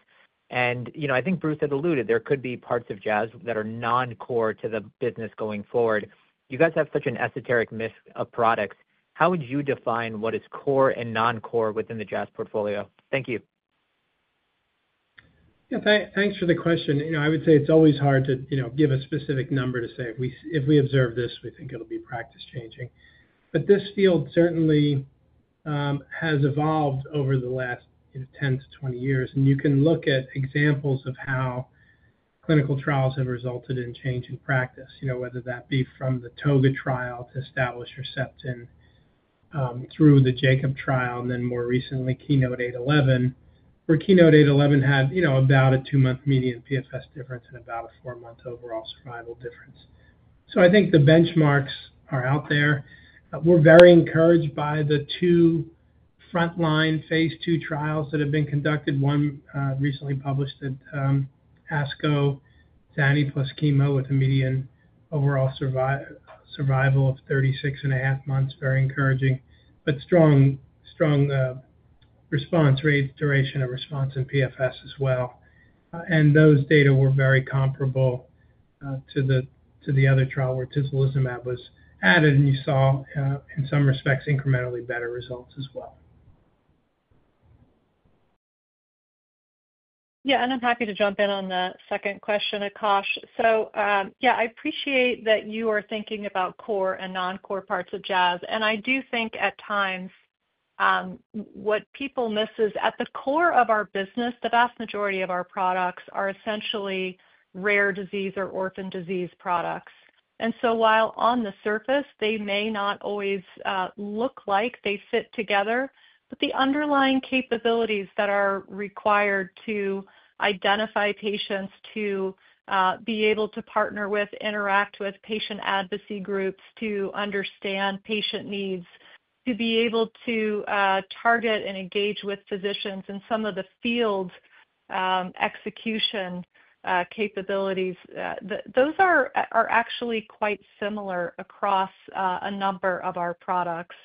I think Bruce had alluded there could be parts of Jazz that are non-core to the business going forward. You guys have such an esoteric mix of products. How would you define what is core and non-core within the Jazz portfolio? Thank you. Yeah. Thanks for the question. I would say it's always hard to give a specific number to say if we observe this, we think it'll be practice-changing. This field certainly has evolved over the last 10-20 years, and you can look at examples of how clinical trials have resulted in change in practice, whether that be from the ToGA trial to establish Herceptin through the Jacob trial, and then more recently, KEYNOTE-811. KEYNOTE-811 had about a two-month median PFS difference and about a four-month overall survival difference. I think the benchmarks are out there. We're very encouraged by the two front-line phase II trials that have been conducted. One recently published at ASCO, zanidatamab plus chemo, with a median overall survival of 36.5 months, very encouraging, but strong, strong response rates, duration of response in PFS as well. Those data were very comparable to the other trial where atezolizumab was added, and you saw, in some respects, incrementally better results as well. Yeah. I'm happy to jump in on the second question, Akash. I appreciate that you are thinking about core and non-core parts of Jazz. I do think at times what people miss is at the core of our business, the vast majority of our products are essentially rare disease or orphan disease products. While on the surface, they may not always look like they fit together, the underlying capabilities that are required to identify patients, to be able to partner with, interact with patient advocacy groups, to understand patient needs, to be able to target and engage with physicians in some of the field execution capabilities, those are actually quite similar across a number of our products.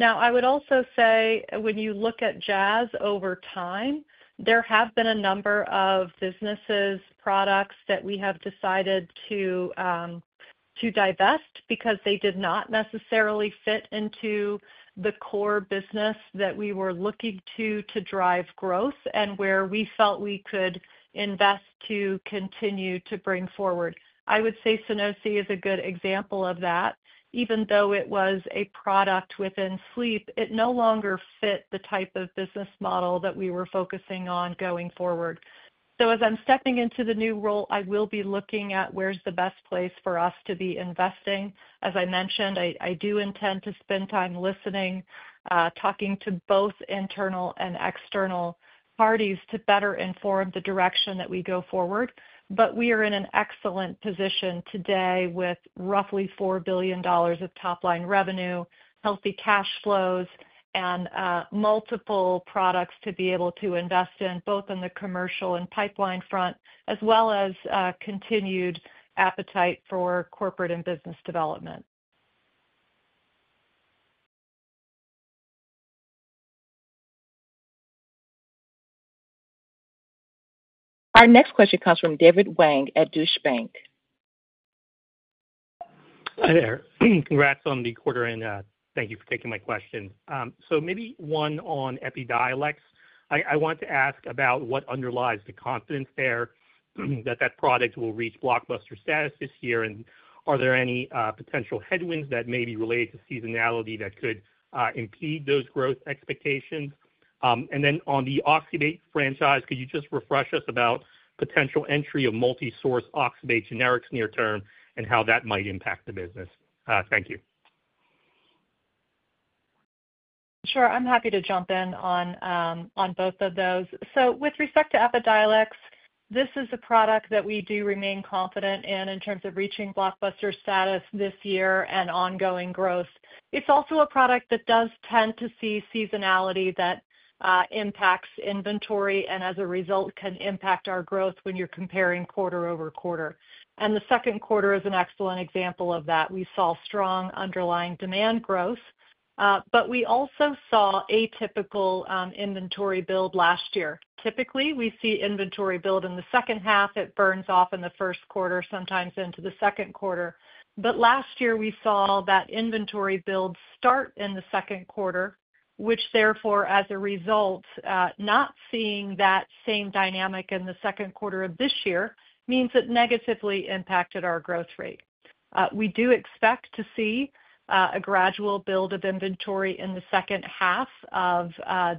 I would also say when you look at Jazz over time, there have been a number of businesses, products that we have decided to divest because they did not necessarily fit into the core business that we were looking to drive growth and where we felt we could invest to continue to bring forward. I would say Sunosi is a good example of that. Even though it was a product within sleep, it no longer fit the type of business model that we were focusing on going forward. As I'm stepping into the new role, I will be looking at where's the best place for us to be investing. As I mentioned, I do intend to spend time listening, talking to both internal and external parties to better inform the direction that we go forward. We are in an excellent position today with roughly $4 billion of top-line revenue, healthy cash flows, and multiple products to be able to invest in, both on the commercial and pipeline front, as well as continued appetite for corporate and business development. Our next question comes from David Hoang at Deutsche Bank. Hi there. Congrats on the quarter-end. Thank you for taking my question. Maybe one on Epidiolex. I want to ask about what underlies the confidence there that that product will reach blockbuster status this year, and are there any potential headwinds that may be related to seasonality that could impede those growth expectations? On the oxybate franchise, could you just refresh us about potential entry of multi-source oxybate generics near term and how that might impact the business? Thank you. Sure. I'm happy to jump in on both of those. With respect to Epidiolex, this is a product that we do remain confident in in terms of reaching blockbuster status this year and ongoing growth. It's also a product that does tend to see seasonality that impacts inventory and, as a result, can impact our growth when you're comparing quarter-over-quarter. The second quarter is an excellent example of that. We saw strong underlying demand growth, but we also saw atypical inventory build last year. Typically, we see inventory build in the second half. It burns off in the first quarter, sometimes into the second quarter. Last year, we saw that inventory build start in the second quarter, which therefore, as a result, not seeing that same dynamic in the second quarter of this year means it negatively impacted our growth rate. We do expect to see a gradual build of inventory in the second half of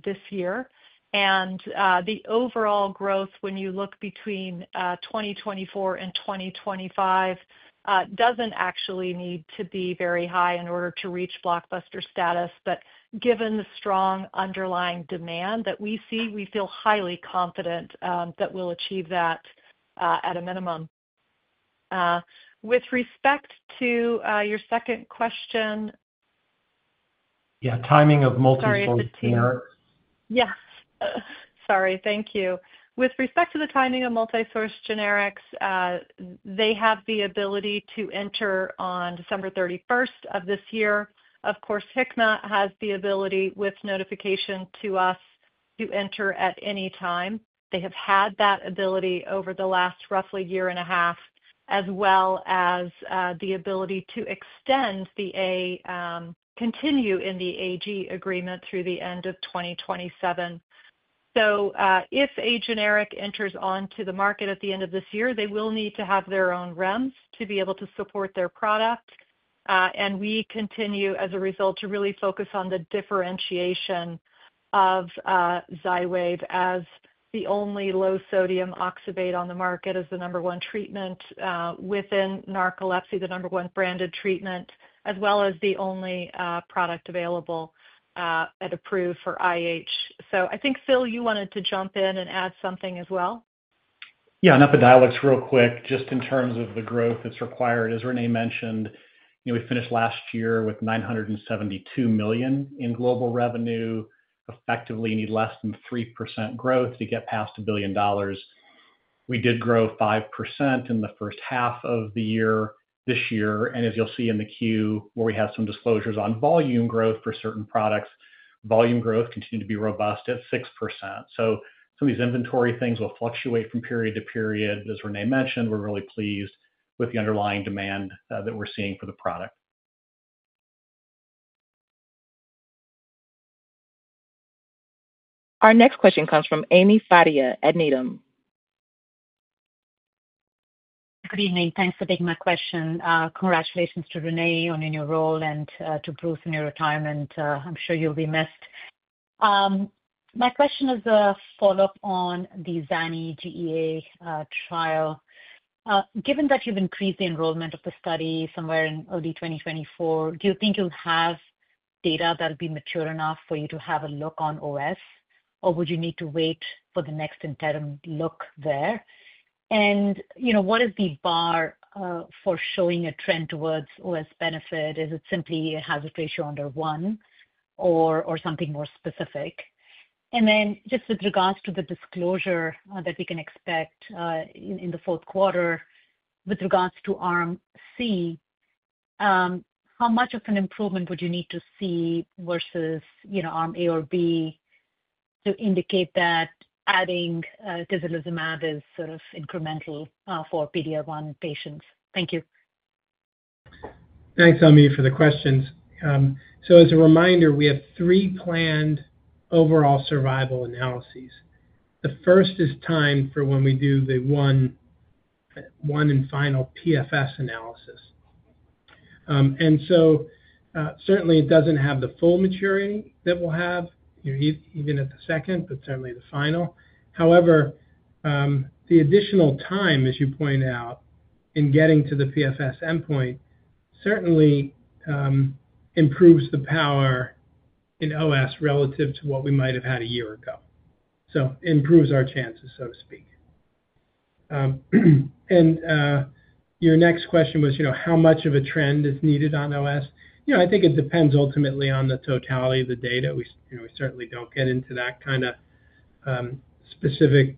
this year. The overall growth, when you look between 2024 and 2025, doesn't actually need to be very high in order to reach blockbuster status. Given the strong underlying demand that we see, we feel highly confident that we'll achieve that at a minimum. With respect to your second question. Yeah, timing of multi-source generics. Yes. Sorry. Thank you. With respect to the timing of multi-source generics, they have the ability to enter on December 31st, 2024. Of course, Hikma has the ability, with notification to us, to enter at any time. They have had that ability over the last roughly year and a half, as well as the ability to extend the AG agreement through the end of 2027. If a generic enters onto the market at the end of this year, they will need to have their own REMS to be able to support their product. We continue, as a result, to really focus on the differentiation of Xywav as the only low-sodium oxybate on the market, as the number one treatment within narcolepsy, the number one branded treatment, as well as the only product available and approved for idiopathic hypersomnia. I think, Phil, you wanted to jump in and add something as well? Epidiolex real quick, just in terms of the growth that's required. As Renee mentioned, you know, we finished last year with $972 million in global revenue. Effectively, you need less than 3% growth to get past $1 billion. We did grow 5% in the first half of the year this year. As you'll see in the Q where we have some disclosures on volume growth for certain products, volume growth continued to be robust at 6%. Some of these inventory things will fluctuate from period to period. As Renee mentioned, we're really pleased with the underlying demand that we're seeing for the product. Our next question comes from Amy Fadia at Needham. Good evening. Thanks for taking my question. Congratulations to Renee on your new role and to Bruce and your retirement. I'm sure you'll be missed. My question is a follow-up on the zanidatamab GEA trial. Given that you've increased the enrollment of the study somewhere in early 2024, do you think you'll have data that'll be mature enough for you to have a look on OS, or would you need to wait for the next interim look there? What is the bar for showing a trend towards OS benefit? Is it simply a hazard ratio under 1 or something more specific? With regards to the disclosure that we can expect in the fourth quarter with regards to arm C, how much of an improvement would you need to see versus arm A or B to indicate that adding tizolizumab is sort of incremental for PD-L1 patients? Thank you. Thanks, Amy, for the questions. As a reminder, we have three planned overall survival analyses. The first is timed for when we do the one and final PFS analysis. It doesn't have the full maturity that we'll have, even at the second, but certainly the final. However, the additional time, as you pointed out, in getting to the PFS endpoint improves the power in OS relative to what we might have had a year ago. It improves our chances, so to speak. Your next question was, how much of a trend is needed on OS? I think it depends ultimately on the totality of the data. We certainly don't get into that kind of specific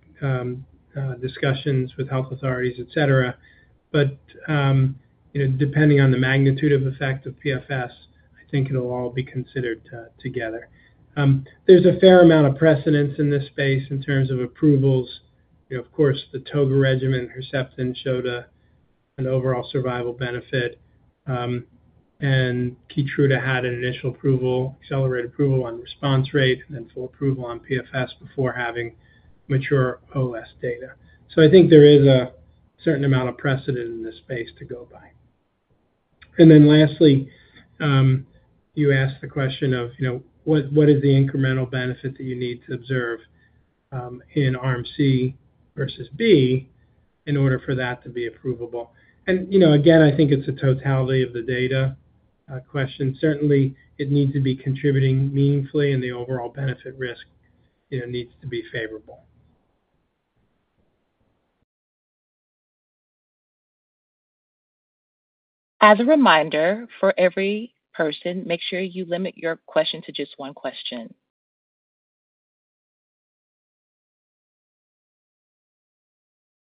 discussions with health authorities, et cetera. Depending on the magnitude of effect of PFS, I think it'll all be considered together. There's a fair amount of precedence in this space in terms of approvals. Of course, the ToGA regimen Herceptin showed an overall survival benefit. Keytruda had an initial approval, accelerated approval on response rate, and then full approval on PFS before having mature OS data. I think there is a certain amount of precedent in this space to go by. Lastly, you asked the question of what is the incremental benefit that you need to observe in arm C versus B in order for that to be approvable. Again, I think it's a totality of the data question. Certainly, it needs to be contributing meaningfully, and the overall benefit risk needs to be favorable. As a reminder, for every person, make sure you limit your question to just one question.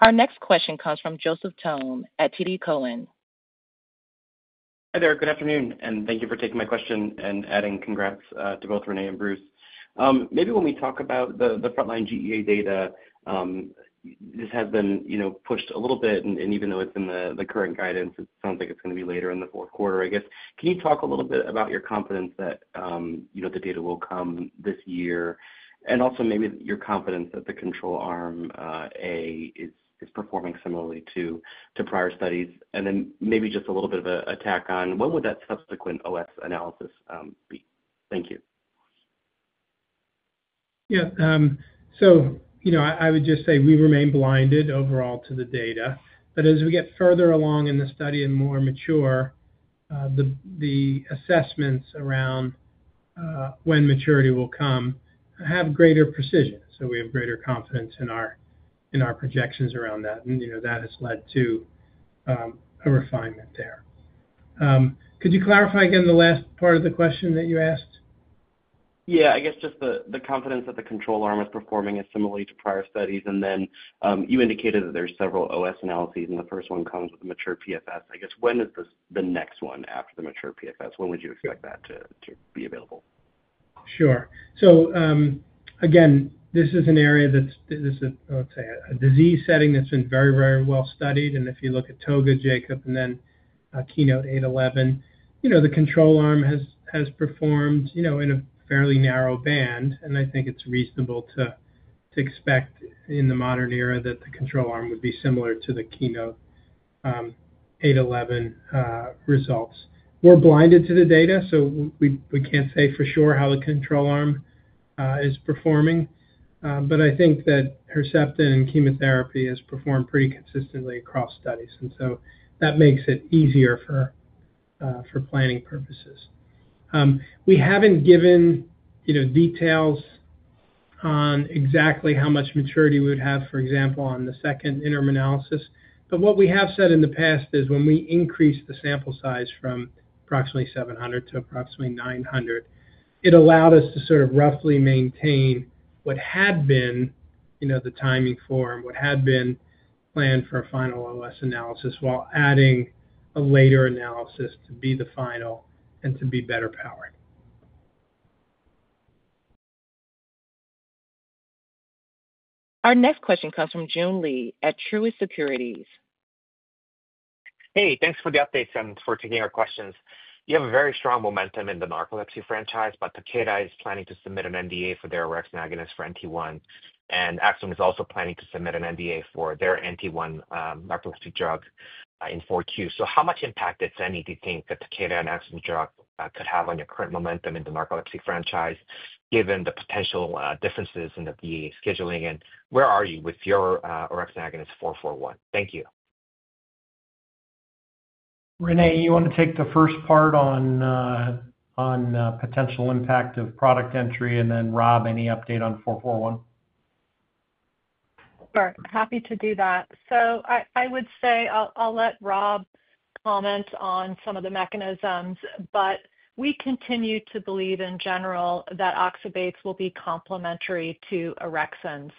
Our next question comes from Joseph Thome at TD Cowen. Hi there. Good afternoon. Thank you for taking my question and adding congrats to both Renee and Bruce. Maybe when we talk about the frontline GEA data, this has been pushed a little bit. Even though it's in the current guidance, it sounds like it's going to be later in the fourth quarter, I guess. Can you talk a little bit about your confidence that the data will come this year? Also, maybe your confidence that the control arm, A, is performing similarly to prior studies? Maybe just a little bit of an attack on when would that subsequent OS analysis be? Thank you. Yeah, I would just say we remain blinded overall to the data. As we get further along in the study and more mature, the assessments around when maturity will come have greater precision. We have greater confidence in our projections around that, and that has led to a refinement there. Could you clarify again the last part of the question that you asked? Yeah. I guess just the confidence that the control arm is performing similarly to prior studies. You indicated that there's several OS analyses, and the first one comes with a mature PFS. I guess when is the next one after the mature PFS? When would you expect that to be available? Sure. This is an area that's, I would say, a disease setting that's been very, very well studied. If you look at ToGA, Jacob, and then KEYNOTE-811, the control arm has performed in a fairly narrow band. I think it's reasonable to expect in the modern era that the control arm would be similar to the KEYNOTE-811 results. We're blinded to the data, so we can't say for sure how the control arm is performing. I think that Herceptin and chemotherapy has performed pretty consistently across studies, which makes it easier for planning purposes. We haven't given details on exactly how much maturity we would have, for example, on the second interim analysis. What we have said in the past is when we increased the sample size from approximately 700 to approximately 900, it allowed us to roughly maintain what had been the timing for and what had been planned for a final OS analysis while adding a later analysis to be the final and to be better powered. Our next question comes from Joan Lee at Truist Securities. Hey, thanks for the updates and for taking our questions. You have a very strong momentum in the narcolepsy franchise, but Takeda is planning to submit an NDA for their orexin agonist for NT1, and Axiomm is also planning to submit an NDA for their NT1 narcoleptic drug in Q4. How much impact, if any, do you think that Takeda and Axsome drug could have on your current momentum in the narcolepsy franchise, given the potential differences in the VA scheduling? Where are you with your orexin agonist 441? Thank you. Renee, you want to take the first part on the potential impact of product entry, and then Rob, any update on 441? Sure. Happy to do that. I would say I'll let Rob comment on some of the mechanisms, but we continue to believe in general that oxybates will be complementary to orexins.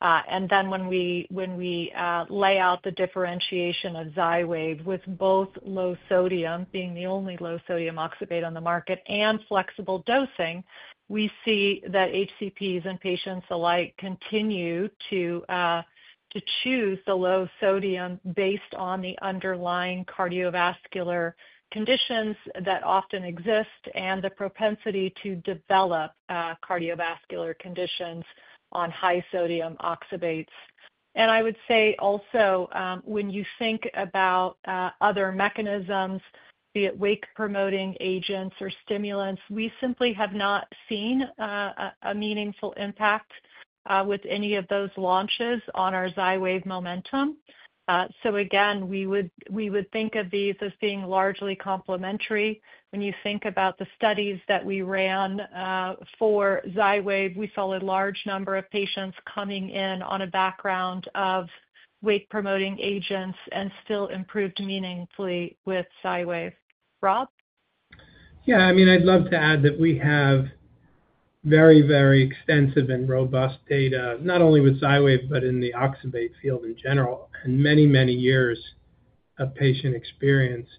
When we lay out the differentiation of Xywav, with both low-sodium being the only low-sodium oxybate on the market and flexible dosing, we see that HCPs and patients alike continue to choose the low-sodium based on the underlying cardiovascular conditions that often exist and the propensity to develop cardiovascular conditions on high-sodium oxybates. I would say also, when you think about other mechanisms, be it wake-promoting agents or stimulants, we simply have not seen a meaningful impact with any of those launches on our Xywav momentum. We would think of these as being largely complementary. When you think about the studies that we ran for Xywav, we saw a large number of patients coming in on a background of wake-promoting agents and still improved meaningfully with Xywav. Rob? Yeah. I mean, I'd love to add that we have very, very extensive and robust data, not only with Xywav but in the oxybate field in general, and many, many years of patient experience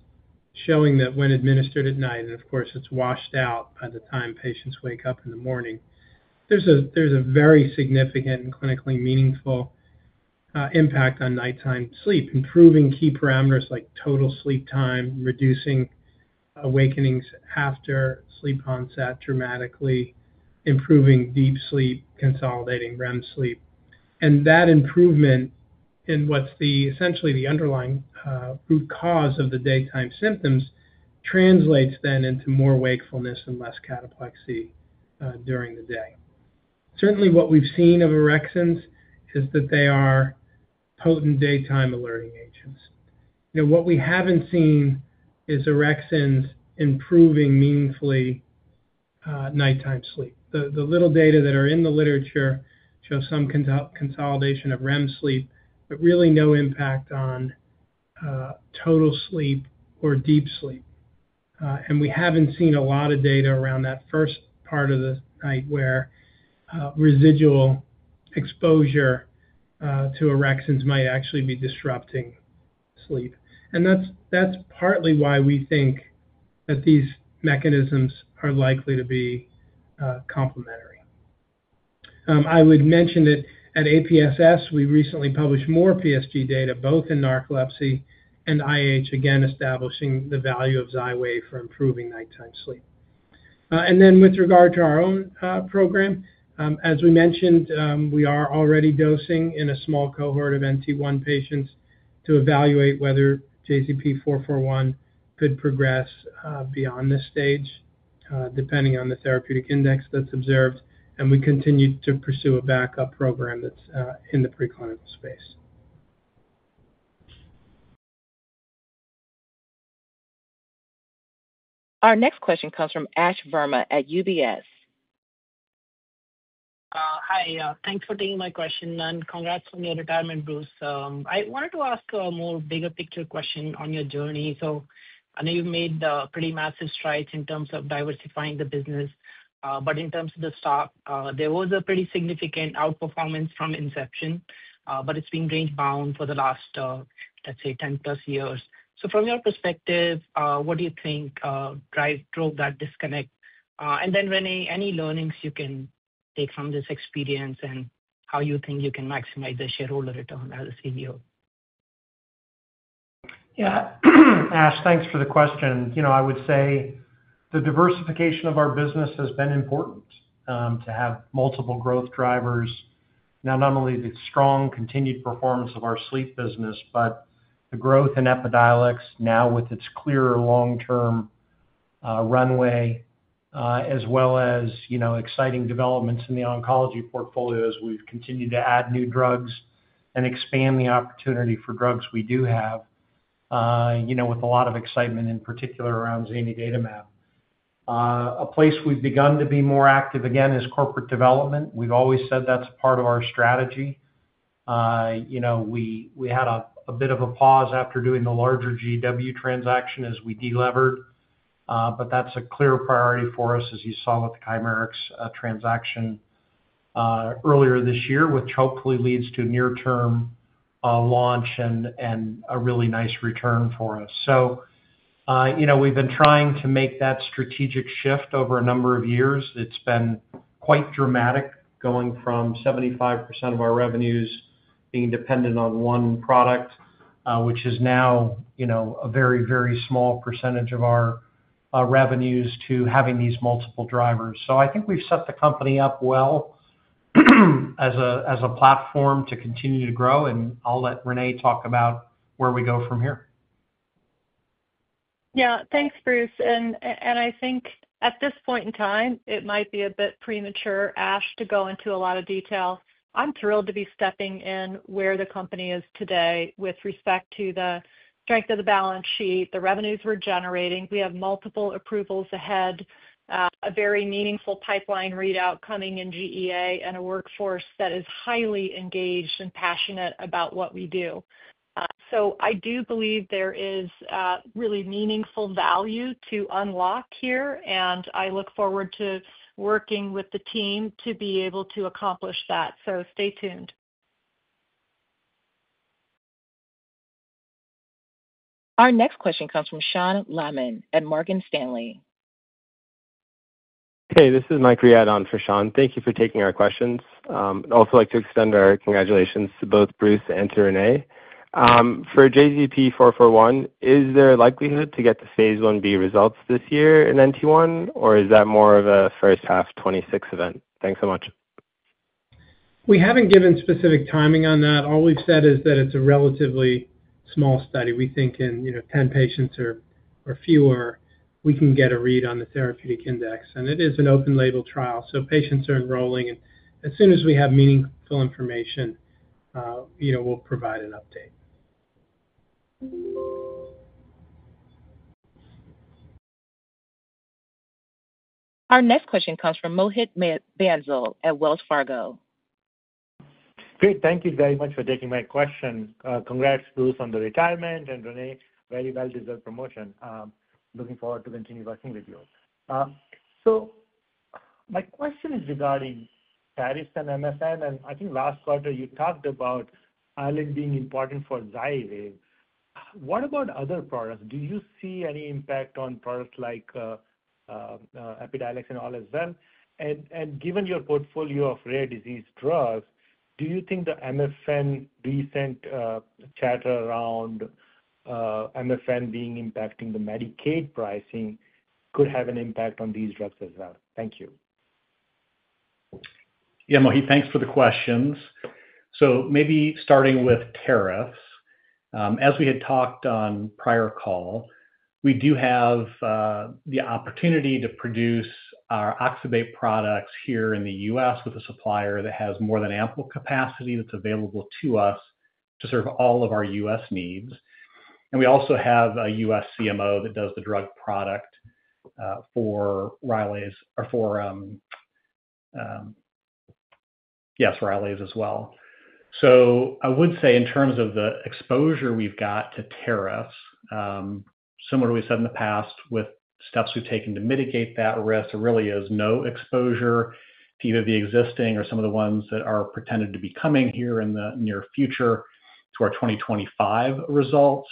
showing that when administered at night, and of course, it's washed out by the time patients wake up in the morning, there's a very significant and clinically meaningful impact on nighttime sleep, improving key parameters like total sleep time, reducing awakenings after sleep onset dramatically, improving deep sleep, consolidating REM sleep. That improvement in what's essentially the underlying root cause of the daytime symptoms translates then into more wakefulness and less cataplexy during the day. Certainly, what we've seen of orexins is that they are potent daytime alerting agents. You know, what we haven't seen is orexins improving meaningfully nighttime sleep. The little data that are in the literature shows some consolidation of REM sleep, but really no impact on total sleep or deep sleep. We haven't seen a lot of data around that first part of the night where residual exposure to orexins might actually be disrupting sleep. That's partly why we think that these mechanisms are likely to be complementary. I would mention that at APSS, we recently published more PSG data, both in narcolepsy and idiopathic hypersomnia, again establishing the value of Xywav for improving nighttime sleep. With regard to our own program, as we mentioned, we are already dosing in a small cohort of NT1 patients to evaluate whether JZP441 could progress beyond this stage, depending on the therapeutic index that's observed. We continue to pursue a backup program that's in the preclinical space. Our next question comes from Ash Verma at UBS. Hi. Thanks for taking my question. Congrats on your retirement, Bruce. I wanted to ask a bigger picture question on your journey. I know you've made pretty massive strides in terms of diversifying the business, but in terms of the stock, there was a significant outperformance from inception, but it's been gains bound for the last, let's say, 10+ years. From your perspective, what do you think drove that disconnect? Renee, any learnings you can take from this experience and how you think you can maximize the shareholder return as a CEO? Yeah. Ash, thanks for the question. I would say the diversification of our business has been important to have multiple growth drivers. Now, not only the strong continued performance of our sleep business, but the growth in Epidiolex now with its clearer long-term runway, as well as exciting developments in the oncology portfolio as we've continued to add new drugs and expand the opportunity for drugs we do have, with a lot of excitement in particular around zanidatamab. A place we've begun to be more active again is corporate development. We've always said that's a part of our strategy. We had a bit of a pause after doing the larger GW transaction as we delevered, but that's a clear priority for us, as you saw with the Chimerix transaction earlier this year, which hopefully leads to a near-term launch and a really nice return for us. We've been trying to make that strategic shift over a number of years. It's been quite dramatic, going from 75% of our revenues being dependent on one product, which is now a very, very small percentage of our revenues, to having these multiple drivers. I think we've set the company up well as a platform to continue to grow, and I'll let Renee talk about where we go from here. Yeah. Thanks, Bruce. I think at this point in time, it might be a bit premature, Ash, to go into a lot of detail. I'm thrilled to be stepping in where the company is today with respect to the strength of the balance sheet, the revenues we're generating. We have multiple approvals ahead, a very meaningful pipeline readout coming in GEA, and a workforce that is highly engaged and passionate about what we do. I do believe there is really meaningful value to unlock here, and I look forward to working with the team to be able to accomplish that. Stay tuned. Our next question comes from Sean Laaman at Morgan Stanley. Hey, this is Mike Riad on for Sean. Thank you for taking our questions. I'd also like to extend our congratulations to both Bruce and to Renee. For JZP441, is there a likelihood to get the phase Ib results this year in NT1, or is that more of a first half 2026 event? Thanks so much. We haven't given specific timing on that. All we've said is that it's a relatively small study. We think in, you know, 10 patients or fewer, we can get a read on the therapeutic index. It is an open-label trial, so patients are enrolling. As soon as we have meaningful information, you know, we'll provide an update. Our next question comes from Mohit Bansal at Wells Fargo. Great. Thank you very much for taking my question. Congrats, Bruce, on the retirement and Renee, very well-deserved promotion. Looking forward to continue working with you. My question is regarding Caris and MFN. I think last quarter, you talked about island being important for Xywav. What about other products? Do you see any impact on products like Epidiolex and all as well? Given your portfolio of rare disease drugs, do you think the recent chatter around MFN impacting the Medicaid pricing could have an impact on these drugs as well? Thank you. Yeah, Mohit, thanks for the questions. Maybe starting with tariffs. As we had talked on prior call, we do have the opportunity to produce our oxybate products here in the U.S. with a supplier that has more than ample capacity that's available to us to serve all of our U.S. needs. We also have a U.S. CMO that does the drug product for Rylaze. Yes, Rylaze as well. I would say in terms of the exposure we've got to tariffs, similar to what we said in the past with steps we've taken to mitigate that risk, there really is no exposure to either the existing or some of the ones that are pretended to be coming here in the near future to our 2025 results.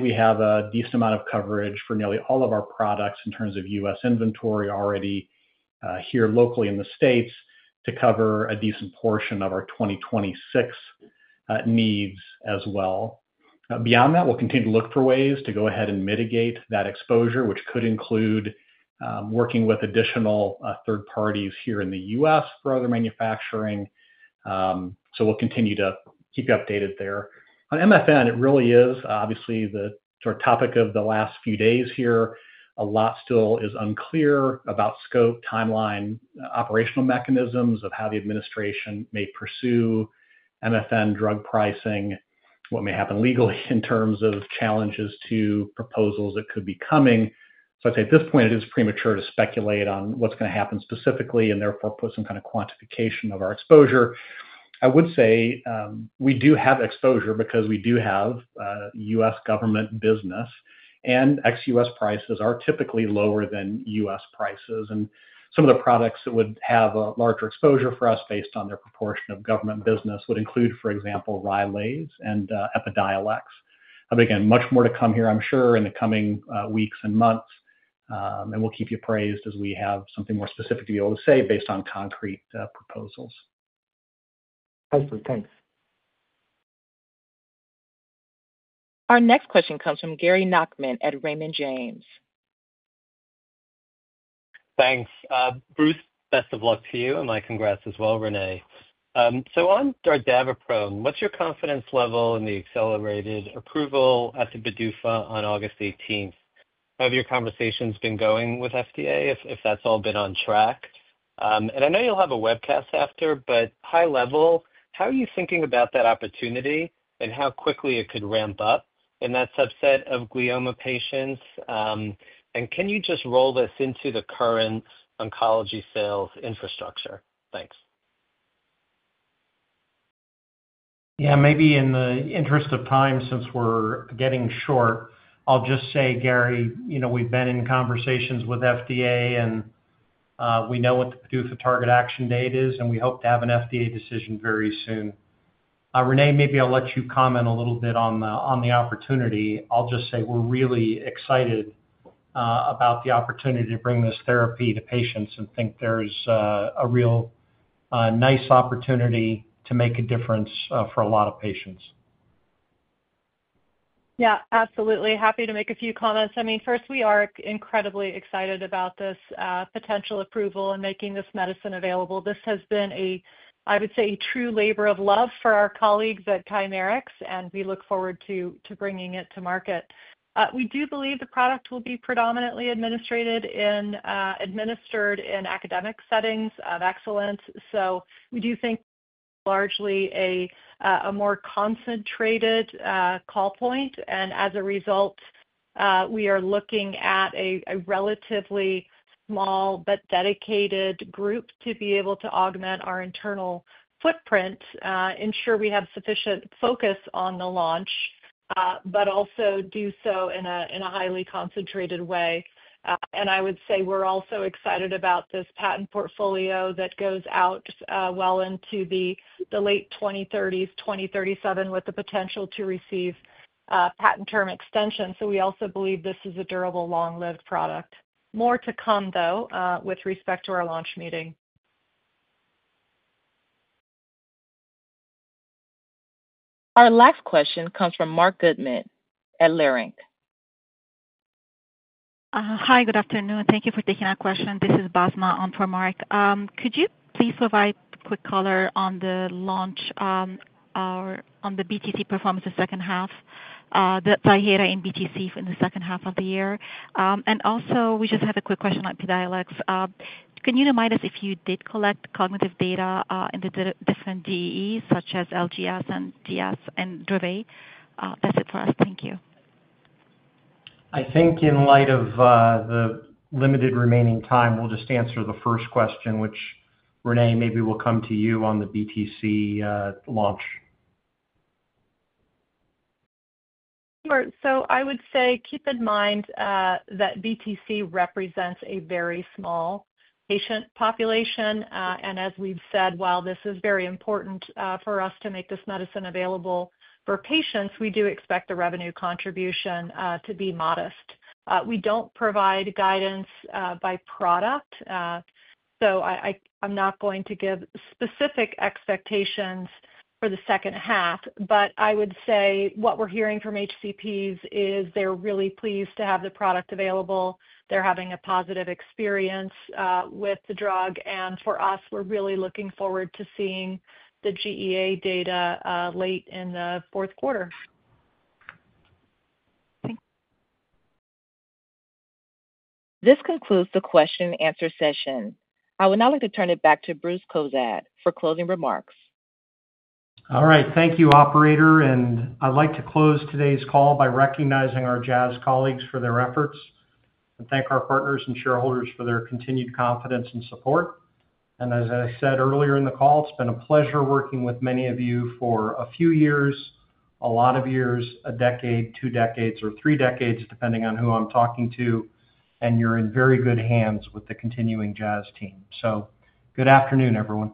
We have a decent amount of coverage for nearly all of our products in terms of U.S. inventory already here locally in the States to cover a decent portion of our 2026 needs as well. Beyond that, we'll continue to look for ways to go ahead and mitigate that exposure, which could include working with additional third parties here in the U.S. for other manufacturing. We'll continue to keep you updated there. On MFN, it really is obviously the sort of topic of the last few days here. A lot still is unclear about scope, timeline, operational mechanisms of how the administration may pursue MFN drug pricing, what may happen legally in terms of challenges to proposals that could be coming. I'd say at this point, it is premature to speculate on what's going to happen specifically and therefore put some kind of quantification of our exposure. I would say we do have exposure because we do have U.S. government business and ex-U.S. prices are typically lower than U.S. prices. Some of the products that would have a larger exposure for us based on their proportion of government business would include, for example, Rylaze and Epidiolex. Much more to come here, I'm sure, in the coming weeks and months. We'll keep you appraised as we have something more specific to be able to say based on concrete proposals. Awesome. Thanks. Our next question comes from Gary Nachman at Raymond James. Thanks. Bruce, best of luck to you. And my congrats as well, Renee. On dordaviprone, what's your confidence level in the accelerated approval at the PDUFA on August 18th? Have your conversations been going with FDA if that's all been on track? I know you'll have a webcast after, but high level, how are you thinking about that opportunity and how quickly it could ramp up in that subset of glioma patients? Can you just roll this into the current oncology sales infrastructure? Thanks. Yeah, maybe in the interest of time, since we're getting short, I'll just say, Gary, you know, we've been in conversations with FDA, and we know what the PDUFA target action date is, and we hope to have an FDA decision very soon. Renee, maybe I'll let you comment a little bit on the opportunity. I'll just say we're really excited about the opportunity to bring this therapy to patients and think there's a real, nice opportunity to make a difference for a lot of patients. Yeah, absolutely. Happy to make a few comments. First, we are incredibly excited about this potential approval and making this medicine available. This has been, I would say, a true labor of love for our colleagues at Chimerix, and we look forward to bringing it to market. We do believe the product will be predominantly administered in academic settings of excellence. We think largely a more concentrated call point. As a result, we are looking at a relatively small but dedicated group to be able to augment our internal footprint, ensure we have sufficient focus on the launch, but also do so in a highly concentrated way. I would say we're also excited about this patent portfolio that goes out well into the late 2030s, 2037, with the potential to receive patent term extension. We also believe this is a durable, long-lived product. More to come, though, with respect to our launch meeting. Our last question comes from Mark Goodman at Leerink. Hi, good afternoon. Thank you for taking our question. This is Basma on for Mark. Could you please provide a quick color on the launch or on the BTC performance of the second half, the Ziihera in BTC in the second half of the year? We just have a quick question on Epidiolex. Can you remind us if you did collect cognitive data in the different DEs, such as LGS and DS and DRIV-A? That's it for us. Thank you. I think in light of the limited remaining time, we'll just answer the first question, which Renee, maybe we'll come to you on the BTC launch. Sure. I would say keep in mind that BTC represents a very small patient population. As we've said, while this is very important for us to make this medicine available for patients, we do expect the revenue contribution to be modest. We don't provide guidance by product. I'm not going to give specific expectations for the second half, but I would say what we're hearing from HCPs is they're really pleased to have the product available. They're having a positive experience with the drug. For us, we're really looking forward to seeing the GEA data late in the fourth quarter. This concludes the question and answer session. I would now like to turn it back to Bruce Cozadd for closing remarks. All right. Thank you, operator. I'd like to close today's call by recognizing our Jazz colleagues for their efforts and thank our partners and shareholders for their continued confidence and support. As I said earlier in the call, it's been a pleasure working with many of you for a few years, a lot of years, a decade, two decades, or three decades, depending on who I'm talking to. You're in very good hands with the continuing Jazz team. Good afternoon, everyone.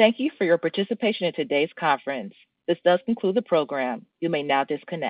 Thank you for your participation at today's conference. This does conclude the program. You may now disconnect.